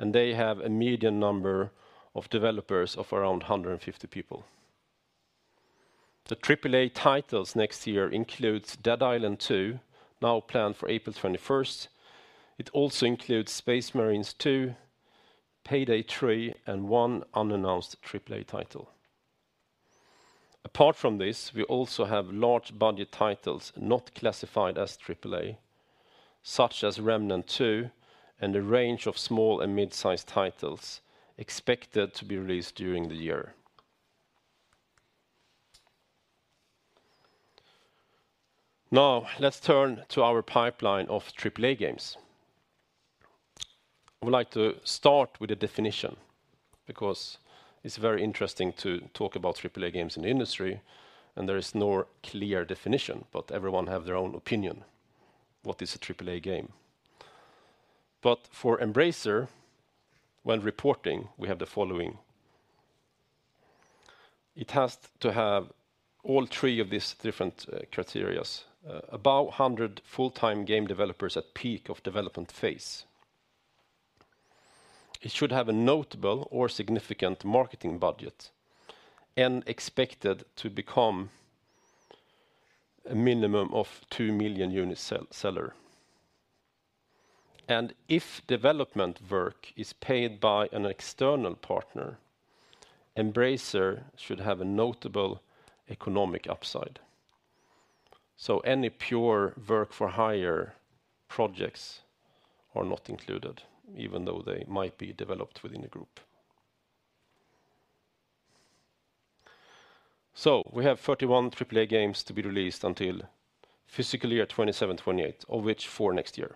and they have a median number of developers of around 150 people. The AAA titles next year includes Dead Island 2, now planned for April 21st. It also includes Space Marine 2, PAYDAY 3, and one unannounced AAA title. Apart from this, we also have large budget titles not classified as AAA, such as Remnant II and a range of small and mid-sized titles expected to be released during the year. Now, let's turn to our pipeline of AAA games. I would like to start with a definition because it's very interesting to talk about AAA games in the industry, and there is no clear definition, but everyone have their own opinion what is a AAA game. For Embracer, when reporting, we have the following: It has to have all three of these different criterias. About 100 full-time game developers at peak of development phase. It should have a notable or significant marketing budget and expected to become a minimum of 2 million unit sell-seller. If development work is paid by an external partner, Embracer should have a notable economic upside. Any pure work-for-hire projects are not included, even though they might be developed within the group. We have 31 AAA games to be released until fiscal year 2027, 2028, of which 4 next year.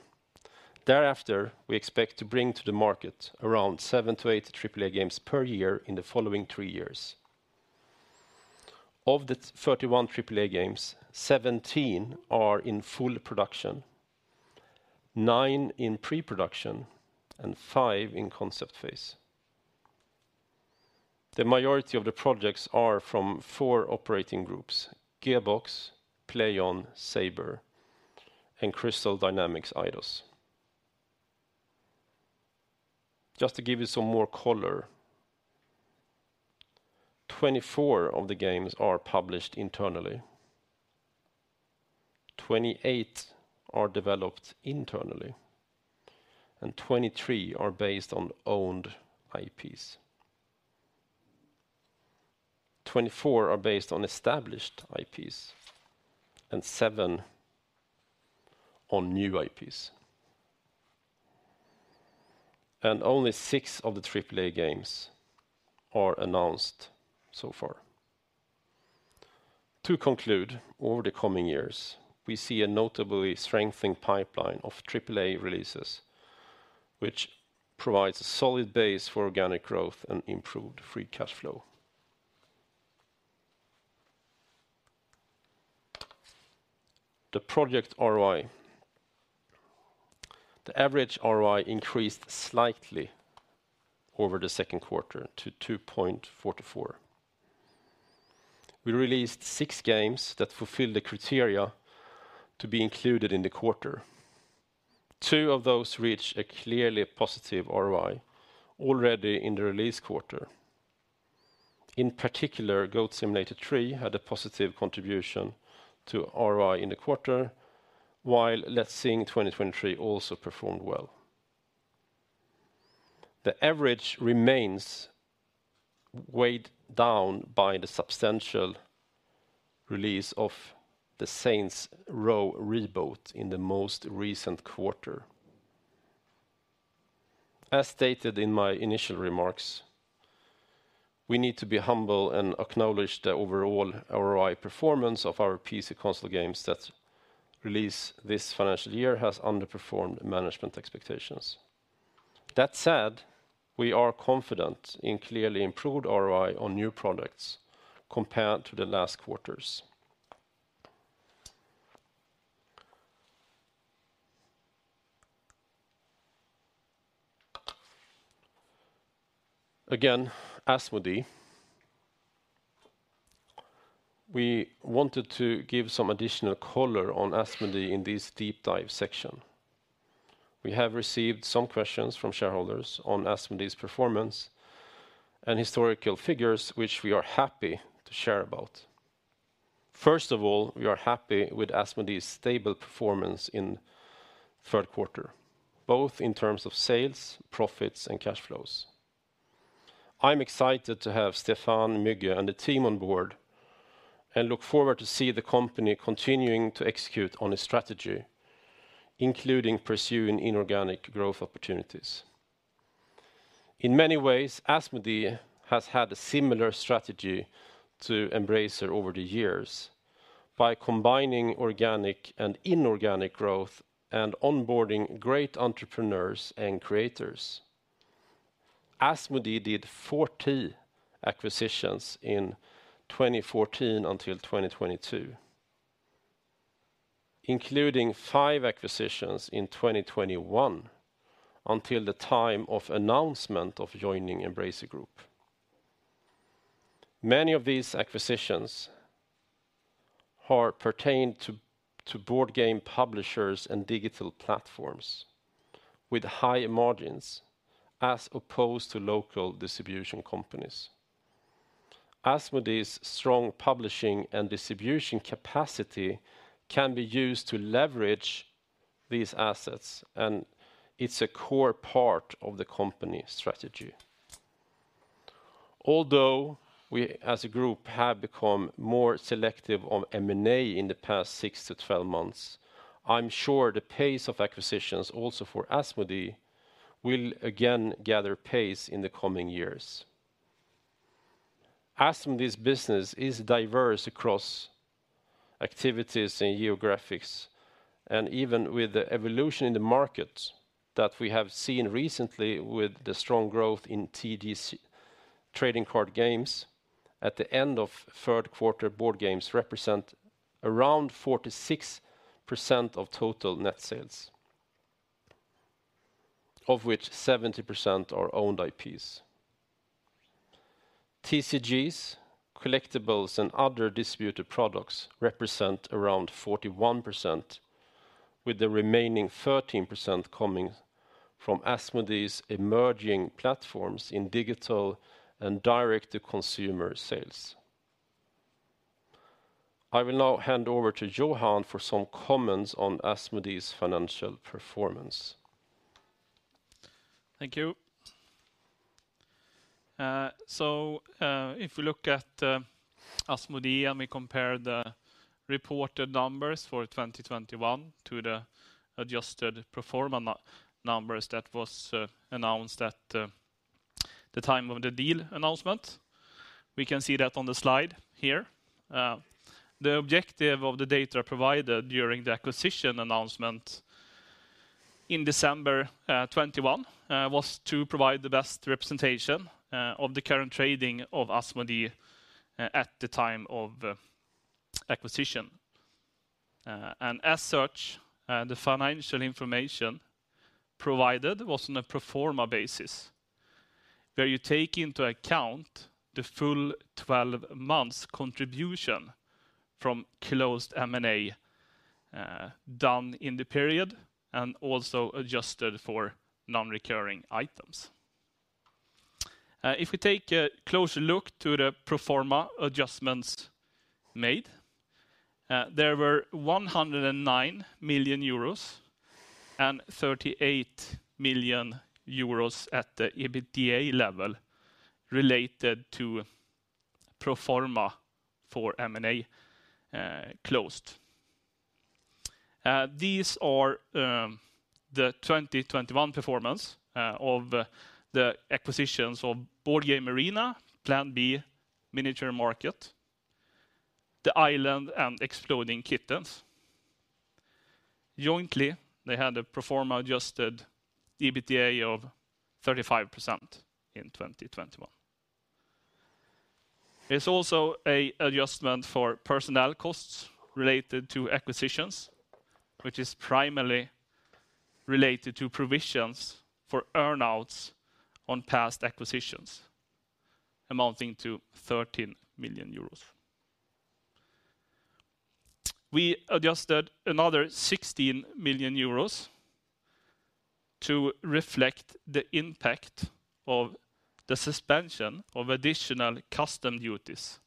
Thereafter, we expect to bring to the market around seven-eight AAA games per year in the following three years. Of the 31 AAA games, 17 are in full production, 9 in pre-production, and five in concept phase. The majority of the projects are from four operating groups: Gearbox, Plaion, Saber, and Crystal Dynamics - Eidos. Just to give you some more color, 24 of the games are published internally, 28 are developed internally, and 23 are based on owned IPs. 24 are based on established IPs and seven on new IPs. Only six of the AAA games are announced so far. To conclude, over the coming years, we see a notably strengthening pipeline of AAA releases, which provides a solid base for organic growth and improved free cash flow. The project ROI. The average ROI increased slightly over the second quarter to 2.44. We released six games that fulfilled the criteria to be included in the quarter, two of those reached a clearly positive ROI already in the release quarter. In particular, Goat Simulator 3 had a positive contribution to ROI in the quarter, while Let's Sing 2023 also performed well. The average remains weighed down by the substantial release of the Saints Row reboot in the most recent quarter. As stated in my initial remarks, we need to be humble and acknowledge the overall ROI performance of our PC/Console games that release this financial year has underperformed management expectations. That said, we are confident in clearly improved ROI on new products compared to the last quarters. Again, Asmodee. We wanted to give some additional color on Asmodee in this deep dive section. We have received some questions from shareholders on Asmodee's performance and historical figures which we are happy to share about. First of all, we are happy with Asmodee's stable performance in third quarter, both in terms of sales, profits, and cash flows. I'm excited to have Stéphane Carville and the team on board and look forward to see the company continuing to execute on its strategy, including pursuing inorganic growth opportunities. In many ways, Asmodee has had a similar strategy to Embracer over the years by combining organic and inorganic growth and onboarding great entrepreneurs and creators. Asmodee did 40 acquisitions in 2014 until 2022, including five acquisitions in 2021 until the time of announcement of joining Embracer Group. Many of these acquisitions are pertained to board game publishers and digital platforms with high margins as opposed to local distribution companies. Asmodee's strong publishing and distribution capacity can be used to leverage these assets, and it's a core part of the company strategy. Although we as a group have become more selective on M&A in the past 6-12 months, I'm sure the pace of acquisitions also for Asmodee will again gather pace in the coming years. Asmodee's business is diverse across activities and geographics, and even with the evolution in the market that we have seen recently with the strong growth in TCG trading card games, at the end of third quarter, board games represent around 46% of total net sales, of which 70% are owned IPs. TCGs, collectibles, and other distributed products represent around 41%, with the remaining 13% coming from Asmodee's emerging platforms in digital and direct-to-consumer sales. I will now hand over to Johan for some comments on Asmodee's financial performance. Thank you. If we look at Asmodee and we compare the reported numbers for 2021 to the adjusted pro forma numbers that was announced at the time of the deal announcement, we can see that on the slide here. The objective of the data provided during the acquisition announcement in December 21 was to provide the best representation of the current trading of Asmodee at the time of acquisition. As such, the financial information provided was on a pro forma basis, where you take into account the full 12 months contribution from closed M&A done in the period and also adjusted for non-recurring items. If we take a closer look to the pro forma adjustments made, there were 109 million euros and 38 million euros at the EBITDA level related to pro forma for M&A closed. These are the 2021 performance of the acquisitions of Board Game Arena, Plan B, Miniature Market, The Island, and Exploding Kittens. Jointly, they had a pro forma Adjusted EBITDA of 35% in 2021. There's also a adjustment for personnel costs related to acquisitions, which is primarily related to provisions for earn-outs on past acquisitions amounting to 13 million euros. We adjusted another 16 million euros to reflect the impact of the suspension of additional custom duties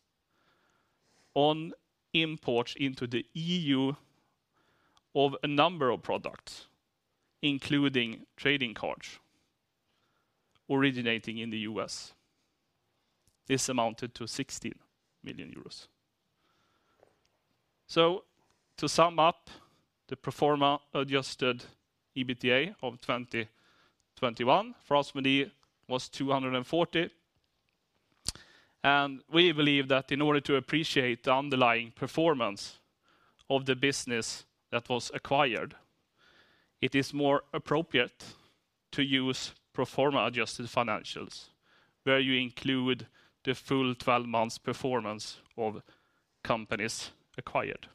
on imports into the EU of a number of products, including trading cards originating in the U.S.. This amounted to EUR 16 million. To sum up, the pro forma Adjusted EBITDA of 2021 for Asmodee was 240. We believe that in order to appreciate the underlying performance of the business that was acquired, it is more appropriate to use pro forma adjusted financials, where you include the full 12 months performance of companies acquired.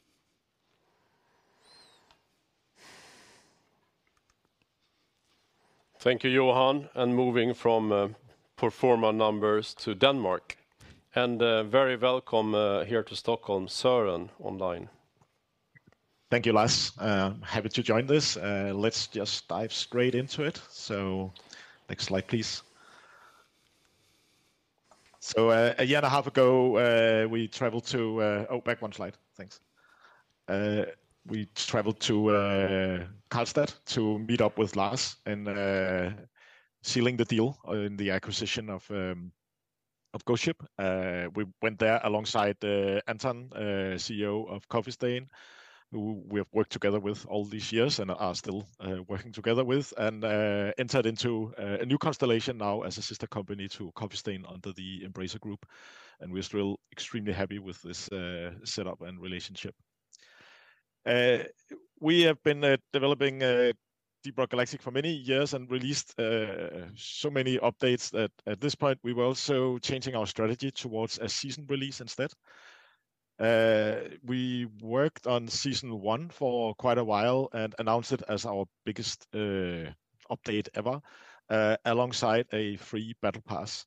Thank you, Johan, moving from pro forma numbers to Denmark, and very welcome here to Stockholm, Søren, online. Thank you, Lars. Happy to join this. Let's just dive straight into it. Next slide, please. A year and a half ago, we traveled to back one slide. Thanks. We traveled to Karlstad to meet up with Lars and sealing the deal in the acquisition of Ghost Ship. We went there alongside Anton, CEO of Coffee Stain, who we have worked together with all these years and are still working together with and entered into a new constellation now as a sister company to Coffee Stain under the Embracer Group. We're still extremely happy with this setup and relationship. We have been developing Deep Rock Galactic for many years and released so many updates that at this point, we were also changing our strategy towards a season release instead. We worked on season one for quite a while and announced it as our biggest update ever alongside a free battle pass.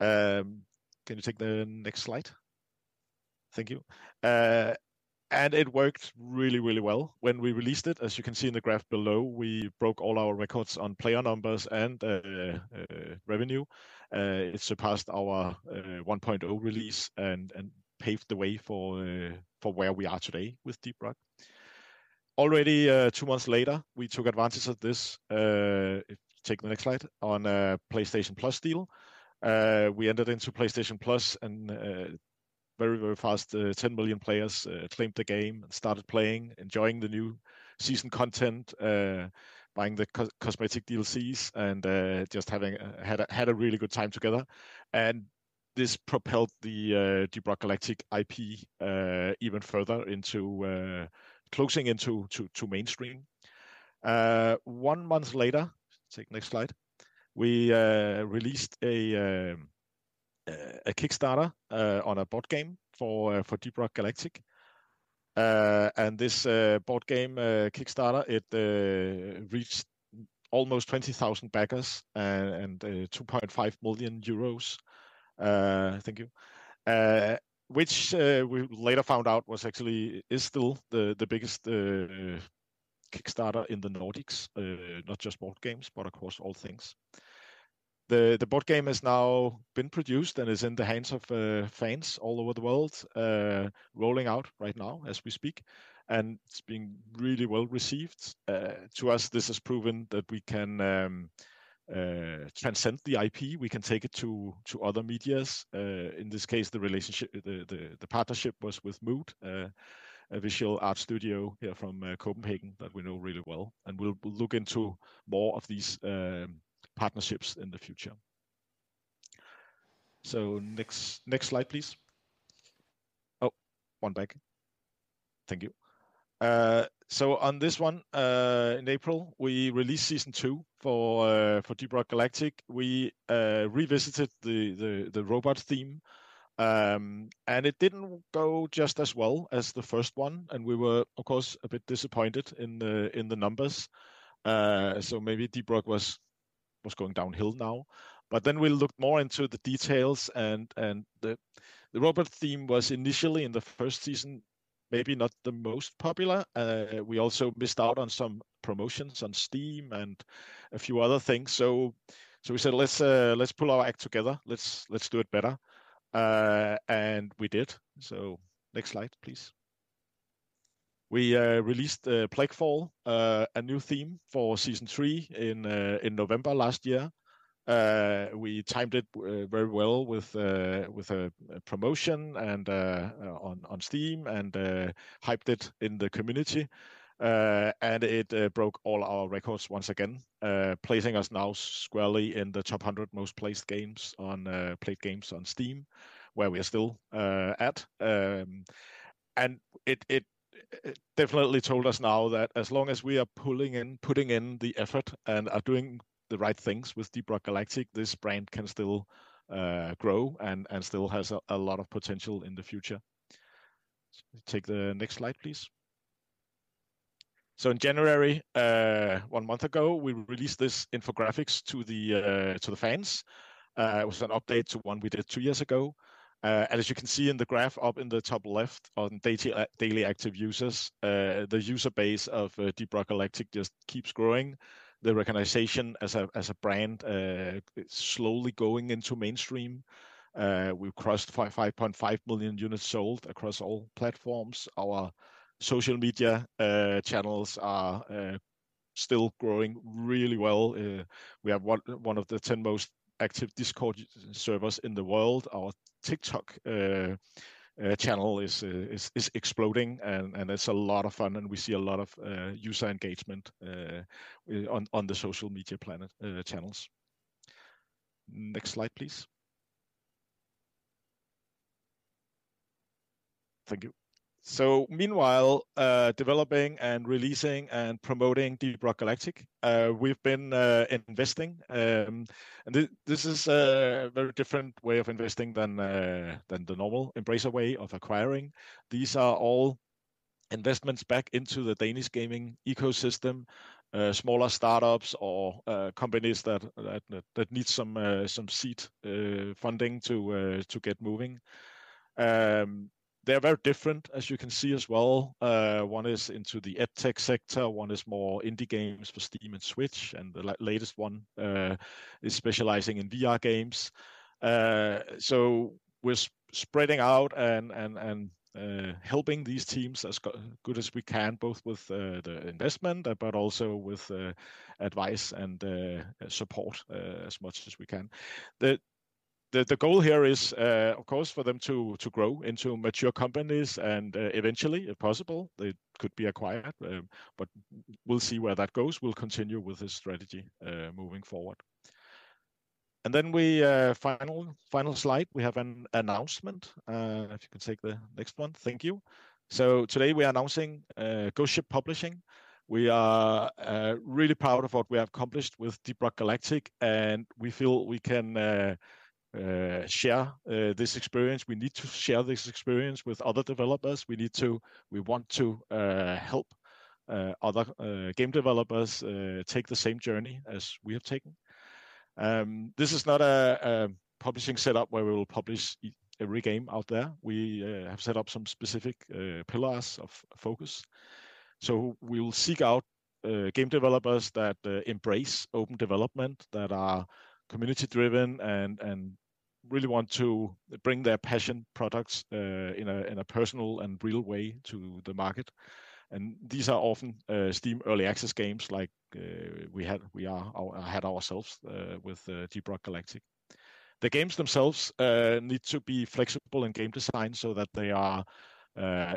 Can you take the next slide? Thank you. It worked really, really well. When we released it, as you can see in the graph below, we broke all our records on player numbers and revenue. It surpassed our 1.0 release and paved the way for where we are today with Deep Rock. Already two months later, we took advantage of this, take the next slide, on a PlayStation Plus deal. We entered into PlayStation Plus and very, very fast, 10 million players claimed the game and started playing, enjoying the new season content, buying the cosmetic DLCs, and just having a really good time together. This propelled the Deep Rock Galactic IP even further into closing into mainstream. One month later, take the next slide, we released a Kickstarter on a board game for Deep Rock Galactic. This board game Kickstarter, it reached almost 20,000 backers and 2.5 million euros. Thank you. Which we later found out was actually still the biggest Kickstarter in the Nordics, not just board games, but across all things. The board game has now been produced and is in the hands of fans all over the world, rolling out right now as we speak. It's being really well-received. To us, this has proven that we can transcend the IP, we can take it to other medias. In this case, the relationship, the partnership was with MOOD Visuals, a visual art studio here from Copenhagen that we know really well. We'll look into more of these partnerships in the future. Next slide, please. One back. Thank you. On this one, in April, we released season two for Deep Rock Galactic. We revisited the robot theme, and it didn't go just as well as the first one, and we were, of course, a bit disappointed in the numbers. Maybe Deep Rock was going downhill now. We looked more into the details and the robot theme was initially in the first season, maybe not the most popular. We also missed out on some promotions on Steam and a few other things. We said, "Let's pull our act together. Let's do it better." We did. Next slide, please. We released Plaguefall, a new theme for season three in November last year. We timed it very well with a promotion and on Steam and hyped it in the community. It broke all our records once again, placing us now squarely in the top 100 most placed games on played games on Steam, where we are still at. It definitely told us now that as long as we are pulling in, putting in the effort and are doing the right things with Deep Rock Galactic, this brand can still grow and still has a lot of potential in the future. Take the next slide, please. In January, one month ago, we released this infographics to the fans. It was an update to one we did two years ago. As you can see in the graph up in the top left on daily active users, the user base of Deep Rock Galactic just keeps growing. The recognition as a brand is slowly going into mainstream. We've crossed 5.5 million units sold across all platforms. Our social media channels are still growing really well. We have one of the 10 most active Discord servers in the world. Our TikTok channel is exploding and it's a lot of fun, and we see a lot of user engagement on the social media planet channels. Next slide, please. Thank you. Meanwhile, developing and releasing and promoting Deep Rock Galactic, we've been investing. This is a very different way of investing than the normal Embracer way of acquiring. These are all investments back into the Danish gaming ecosystem, smaller startups or companies that need some seed funding to get moving. They're very different, as you can see as well. One is into the edtech sector, one is more indie games for Steam and Switch, and the latest one is specializing in VR games. We're spreading out and helping these teams as good as we can, both with the investment, but also with advice and support as much as we can. The goal here is of course, for them to grow into mature companies, and eventually, if possible, they could be acquired. We'll see where that goes. We'll continue with this strategy moving forward. We, final slide, we have an announcement, if you could take the next one. Thank you. Today we are announcing Ghost Ship Publishing. We are really proud of what we have accomplished with Deep Rock Galactic, and we feel we can share this experience. We need to share this experience with other developers. We need to, we want to help other game developers take the same journey as we have taken. This is not a publishing setup where we will publish every game out there. We have set up some specific pillars of focus. We will seek out game developers that embrace open development, that are community-driven and really want to bring their passion products in a personal and real way to the market. These are often Steam Early Access games like we are or had ourselves with Deep Rock Galactic. The games themselves need to be flexible in game design so that they are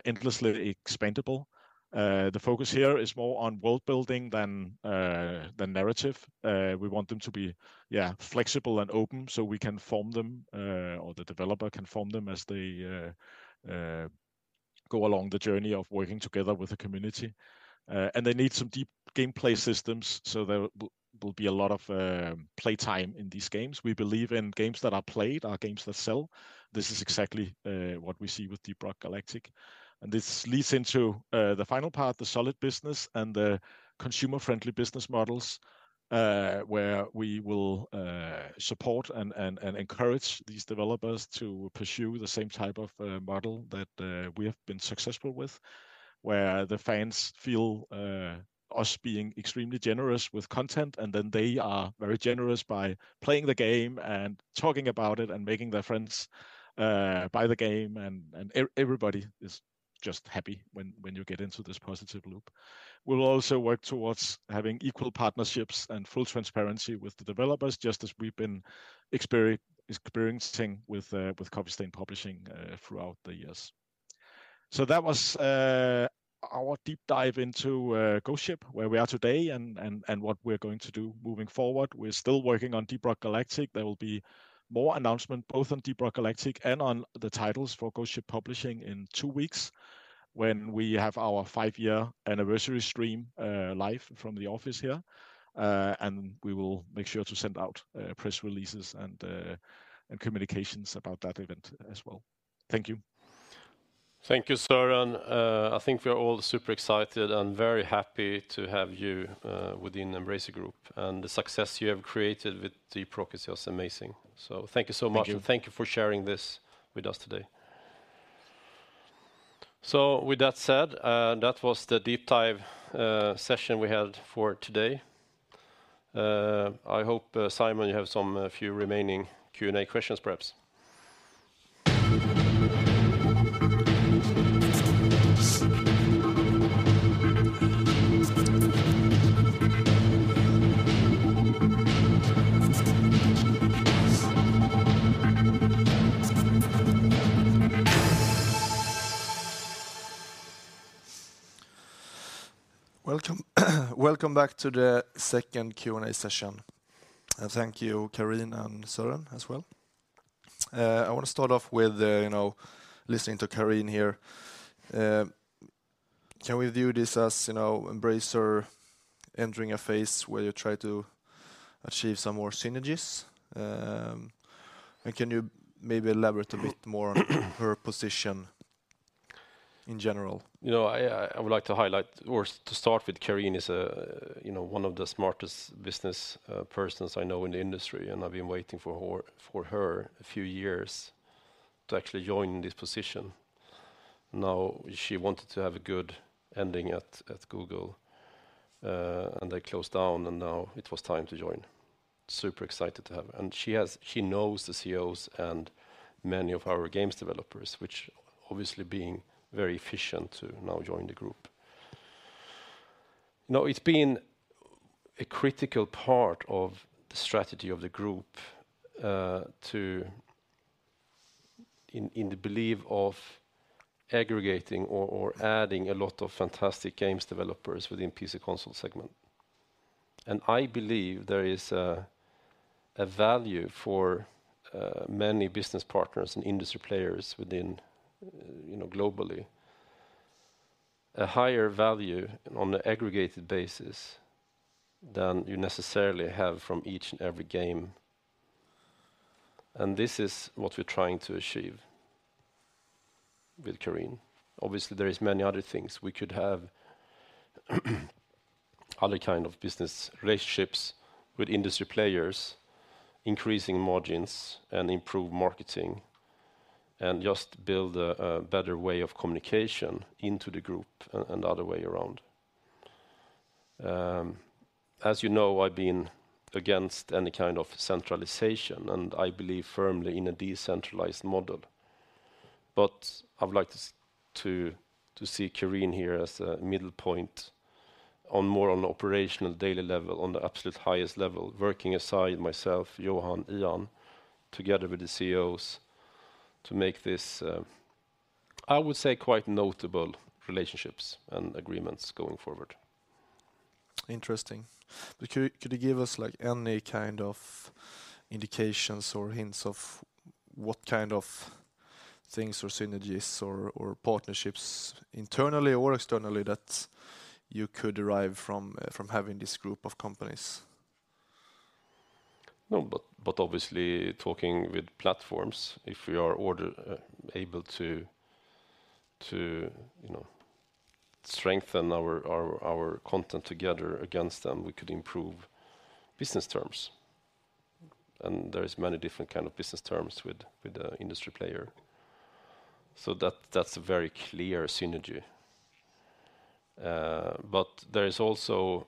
endlessly expandable. The focus here is more on world-building than narrative. We want them to be, yeah, flexible and open so we can form them or the developer can form them as they go along the journey of working together with the community. They need some deep gameplay systems, so there will be a lot of play time in these games. We believe in games that are played are games that sell. This is exactly what we see with Deep Rock Galactic. This leads into the final part, the solid business and the consumer-friendly business models, where we will support and encourage these developers to pursue the same type of model that we have been successful with, where the fans feel us being extremely generous with content, and then they are very generous by playing the game and talking about it and making their friends buy the game. Everybody is just happy when you get into this positive loop. We'll also work towards having equal partnerships and full transparency with the developers, just as we've been experiencing with Coffee Stain Publishing throughout the years. That was our deep dive into Ghost Ship, where we are today and what we're going to do moving forward. We're still working on Deep Rock Galactic. There will be more announcement both on Deep Rock Galactic and on the titles for Ghost Ship Publishing in two weeks when we have our five-year anniversary stream live from the office here. We will make sure to send out press releases and communications about that event as well. Thank you. Thank you, Søren. I think we are all super excited and very happy to have you within Embracer Group and the success you have created with Deep Rock is just amazing. Thank you so much. Thank you. Thank you for sharing this with us today. With that said, that was the deep dive session we had for today. I hope Simon, you have some few remaining Q&A questions perhaps. Welcome, welcome back to the second Q&A session. Thank you, Careen and Søren as well. I wanna start off with, you know, listening to Careen here. Can we view this as, you know, Embracer entering a phase where you try to achieve some more synergies? Can you maybe elaborate a bit more on her position in general? You know, I would like to highlight or to start with Careen is, you know, one of the smartest business persons I know in the industry, and I've been waiting for her a few years to actually join this position. Now, she wanted to have a good ending at Google, and they closed down, and now it was time to join. Super excited to have. She knows the COOs and many of our games developers, which obviously being very efficient to now join the group. You know, it's been a critical part of the strategy of the group, to in the belief of aggregating or adding a lot of fantastic games developers within PC/Console segment. I believe there is a value for many business partners and industry players within, you know, globally, a higher value on the aggregated basis than you necessarily have from each and every game. This is what we're trying to achieve with Careen. Obviously, there is many other things. We could have other kind of business relationships with industry players, increasing margins and improve marketing, and just build a better way of communication into the group and other way around. As you know, I've been against any kind of centralization, and I believe firmly in a decentralized model. I would like to see Careen here as a middle point on more on operational daily level, on the absolute highest level, working aside myself, Johan, Ian, together with the COOs to make this, I would say, quite notable relationships and agreements going forward. Interesting. Could you give us, like, any kind of indications or hints of what kind of things or synergies or partnerships internally or externally that you could derive from having this group of companies? No, but obviously talking with platforms, if we are able to, you know, strengthen our content together against them, we could improve business terms. There is many different kind of business terms with the industry player. That's a very clear synergy. There is also,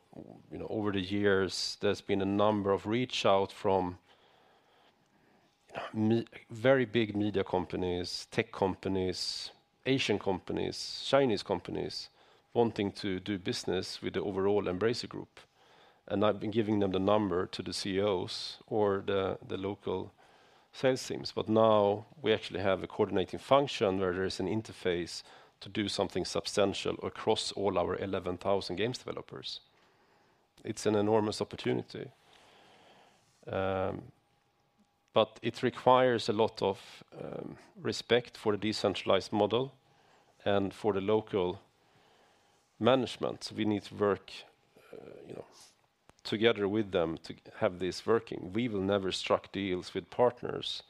you know, over the years, there's been a number of reach out from very big media companies, tech companies, Asian companies, Chinese companies wanting to do business with the overall Embracer Group. I've been giving them the number to the COOs or the local sales teams. Now we actually have a coordinating function where there is an interface to do something substantial across all our 11,000 games developers. It's an enormous opportunity. It requires a lot of respect for the decentralized model and for the local management. We need to work, you know, together with them to have this working. We will never struck deals with partners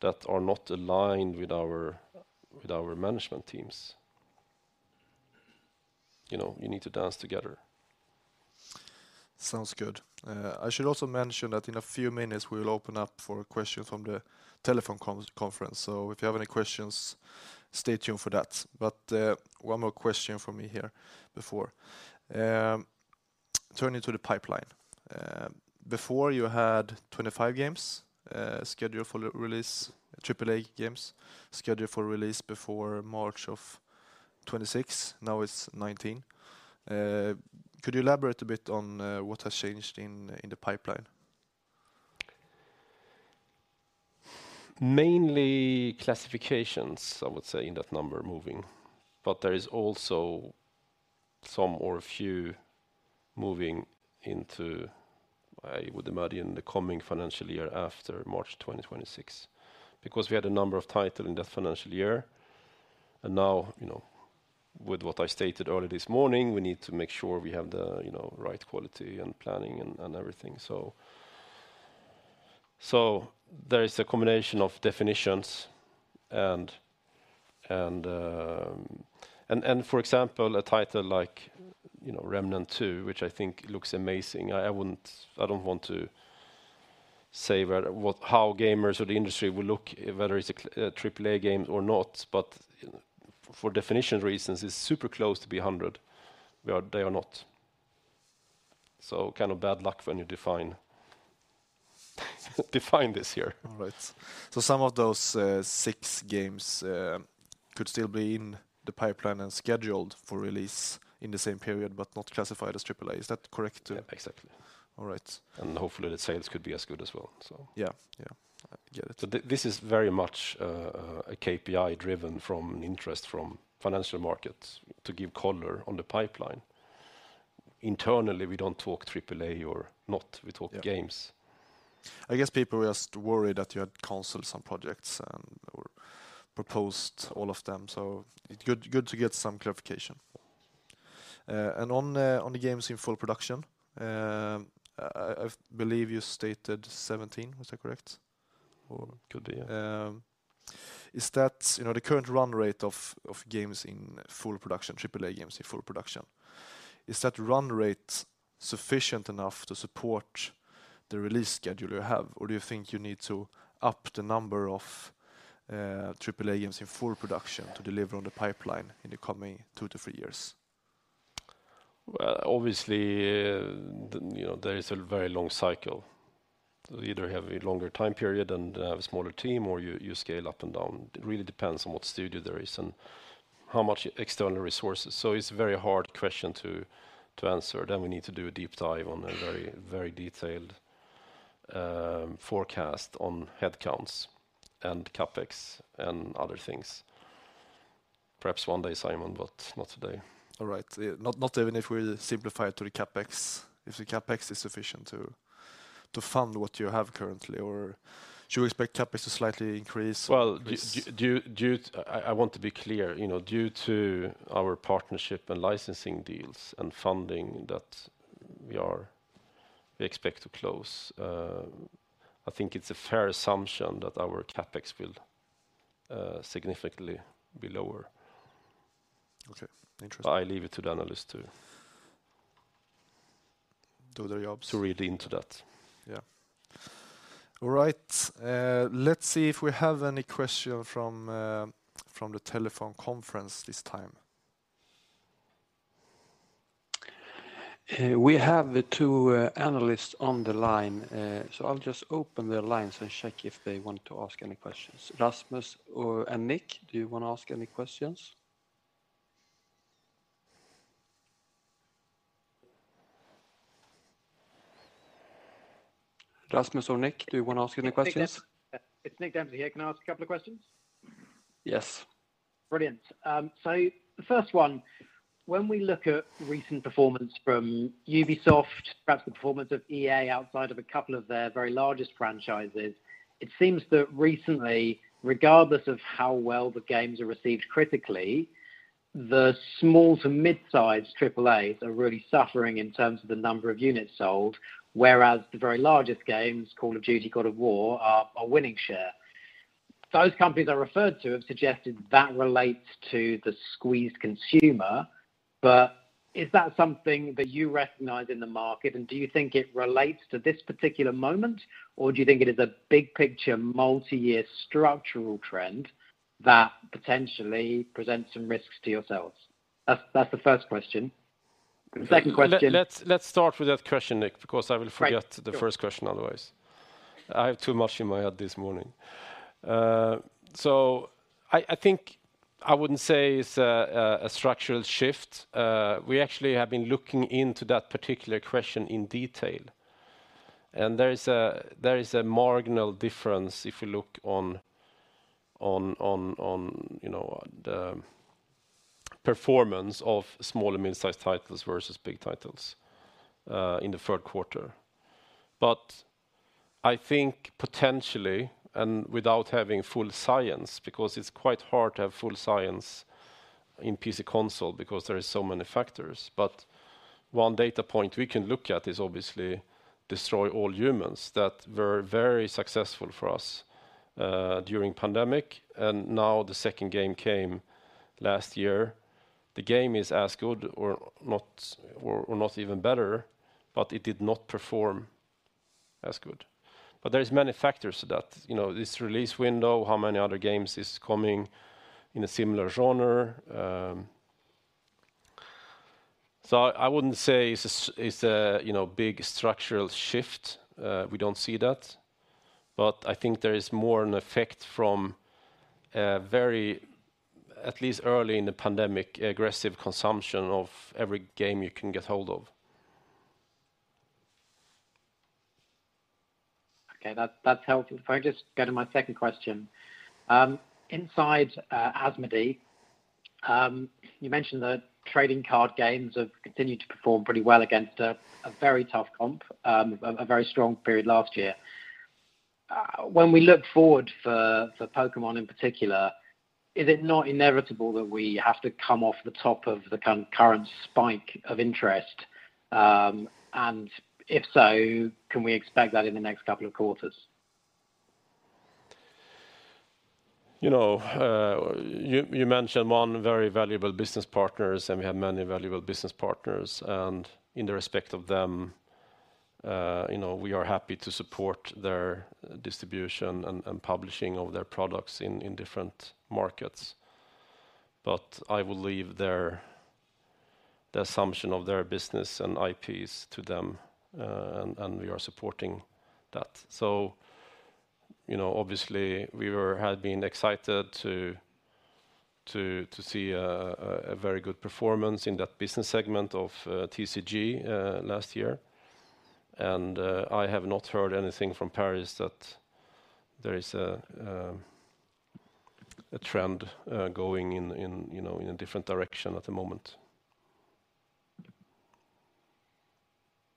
that are not aligned with our, with our management teams. You know, you need to dance together. Sounds good. I should also mention that in a few minutes, we will open up for a question from the telephone conference. If you have any questions, stay tuned for that. One more question for me here before turning to the pipeline. Before you had 25 games scheduled for re-release, AAA games scheduled for release before March of 2026. Now it's 19. Could you elaborate a bit on what has changed in the pipeline? Mainly classifications, I would say, in that number moving. There is also some or a few moving into, I would imagine, the coming financial year after March 2026, because we had a number of title in that financial year. Now, you know, with what I stated earlier this morning, we need to make sure we have the, you know, right quality and planning and everything. There is a combination of definitions and, and for example, a title like, you know, Remnant II, which I think looks amazing. I don't want to say where, what, how gamers or the industry will look whether it's a AAA game or not, but for definition reasons, it's super close to be 100. They are not. Kind of bad luck when you define this here. All right. Some of those, six games, could still be in the pipeline and scheduled for release in the same period, but not classified as AAA. Is that correct? Yeah, exactly. All right. Hopefully the sales could be as good as well. Yeah. Yeah. I get it. This is very much a KPI driven from interest from financial markets to give color on the pipeline. Internally, we don't talk AAA or not. We talk games. Yeah. I guess people were just worried that you had canceled some projects and/or proposed all of them, so it's good to get some clarification. On the games in full production, I believe you stated 17, was that correct? Could be, yeah. Is that, you know, the current run rate of games in full production, Triple-A games in full production, is that run rate sufficient enough to support the release schedule you have? Do you think you need to up the number of AAA games in full production to deliver on the pipeline in the coming two to three years? Well, obviously, you know, there is a very long cycle. You either have a longer time period and have a smaller team, or you scale up and down. It really depends on what studio there is and how much external resources. It's a very hard question to answer. We need to do a deep dive on a very, very detailed forecast on headcounts and CapEx and other things. Perhaps one day, Simon, but not today. All right. not even if we simplify it to the CapEx, if the CapEx is sufficient to fund what you have currently, or do you expect CapEx to slightly increase or decrease? Well, due I want to be clear, you know, due to our partnership and licensing deals and funding that we expect to close, I think it's a fair assumption that our CapEx will significantly be lower. Okay. Interesting. I leave it to the analyst. Do their jobs. ...to read into that. Yeah. All right. Let's see if we have any question from the telephone conference this time? We have the two analysts on the line. I'll just open the lines and check if they want to ask any questions. Rasmus or Nick, do you wanna ask any questions? Nicholas Dempsey. It's Nicholas Dempsey here. Can I ask a couple of questions? Yes. Brilliant. The first one, when we look at recent performance from Ubisoft, perhaps the performance of EA outside of a couple of their very largest franchises, it seems that recently, regardless of how well the games are received critically, the small to mid-size AAAs are really suffering in terms of the number of units sold, whereas the very largest games, Call of Duty, God of War, are winning share. Those companies I referred to have suggested that relates to the squeezed consumer, is that something that you recognize in the market? Do you think it relates to this particular moment, or do you think it is a big picture, multi-year structural trend that potentially presents some risks to your sales? That's the first question. The second question- let's start with that question, Nick, because I will forget- Right. Sure. the first question otherwise. I have too much in my head this morning. I think I wouldn't say it's a structural shift. We actually have been looking into that particular question in detail, and there is a marginal difference if you look on, you know, the performance of small and mid-sized titles versus big titles in the third quarter. I think potentially, and without having full science, because it's quite hard to have full science in PC/Console because there are so many factors. One data point we can look at is obviously Destroy All Humans! that were very successful for us during pandemic, and now the second game came last year. The game is as good or not, or not even better, but it did not perform as good. There is many factors to that, you know, this release window, how many other games is coming in a similar genre. I wouldn't say it's a, you know, big structural shift. We don't see that, but I think there is more an effect from a very, at least early in the pandemic, aggressive consumption of every game you can get hold of. Okay. That's helpful. If I just go to my second question. Inside Asmodee, you mentioned the trading card games have continued to perform pretty well against a very tough comp, a very strong period last year. When we look forward for Pokémon in particular, is it not inevitable that we have to come off the top of the current spike of interest? If so, can we expect that in the next couple of quarters? You know, you mentioned one very valuable business partners. We have many valuable business partners, and in the respect of them, you know, we are happy to support their distribution and publishing of their products in different markets. I will leave the assumption of their business and IPs to them, and we are supporting that. You know, obviously we had been excited to see a very good performance in that business segment of TCG last year. I have not heard anything from Paris that there is a trend going in, you know, in a different direction at the moment.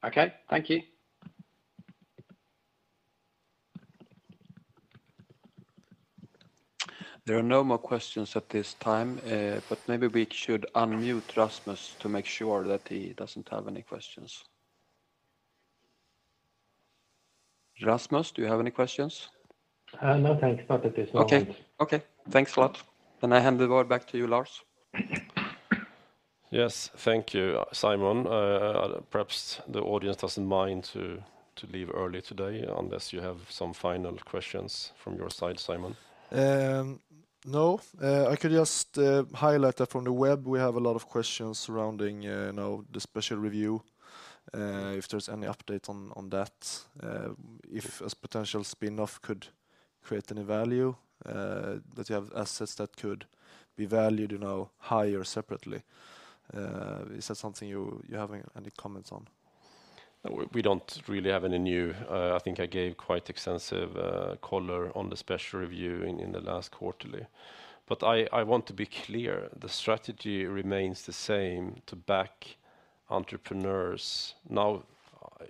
Okay. Thank you. There are no more questions at this time, but maybe we should unmute Rasmus to make sure that he doesn't have any questions. Rasmus, do you have any questions? No, thanks. Not at this moment. Okay. Okay. Thanks a lot. I hand the word back to you, Lars. Yes. Thank you, Simon. Perhaps the audience doesn't mind to leave early today unless you have some final questions from your side, Simon. No. I could just highlight that from the web, we have a lot of questions surrounding, you know, the special review, if there's any update on that, if as potential spin off could create any value, that you have assets that could be valued, you know, higher separately. Is that something you have any comments on? We don't really have any new... I think I gave quite extensive color on the special review in the last quarterly. I want to be clear, the strategy remains the same to back entrepreneurs. Now,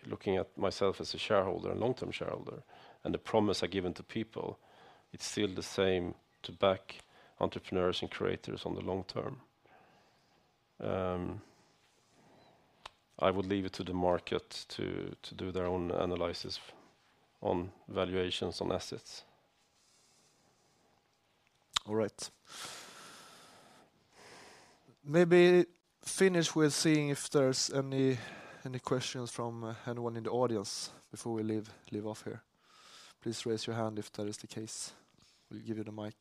looking at myself as a shareholder, a long-term shareholder, and the promise I've given to people, it's still the same to back entrepreneurs and creators on the long term. I would leave it to the market to do their own analysis on valuations on assets. All right. Maybe finish with seeing if there's any questions from anyone in the audience before we leave off here. Please raise your hand if that is the case. We'll give you the mic.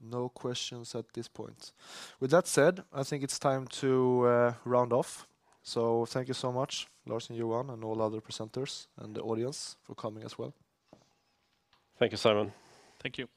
No questions at this point. With that said, I think it's time to round off. Thank you so much, Lars and Johan, and all other presenters, and the audience for coming as well. Thank you, Simon. Thank you.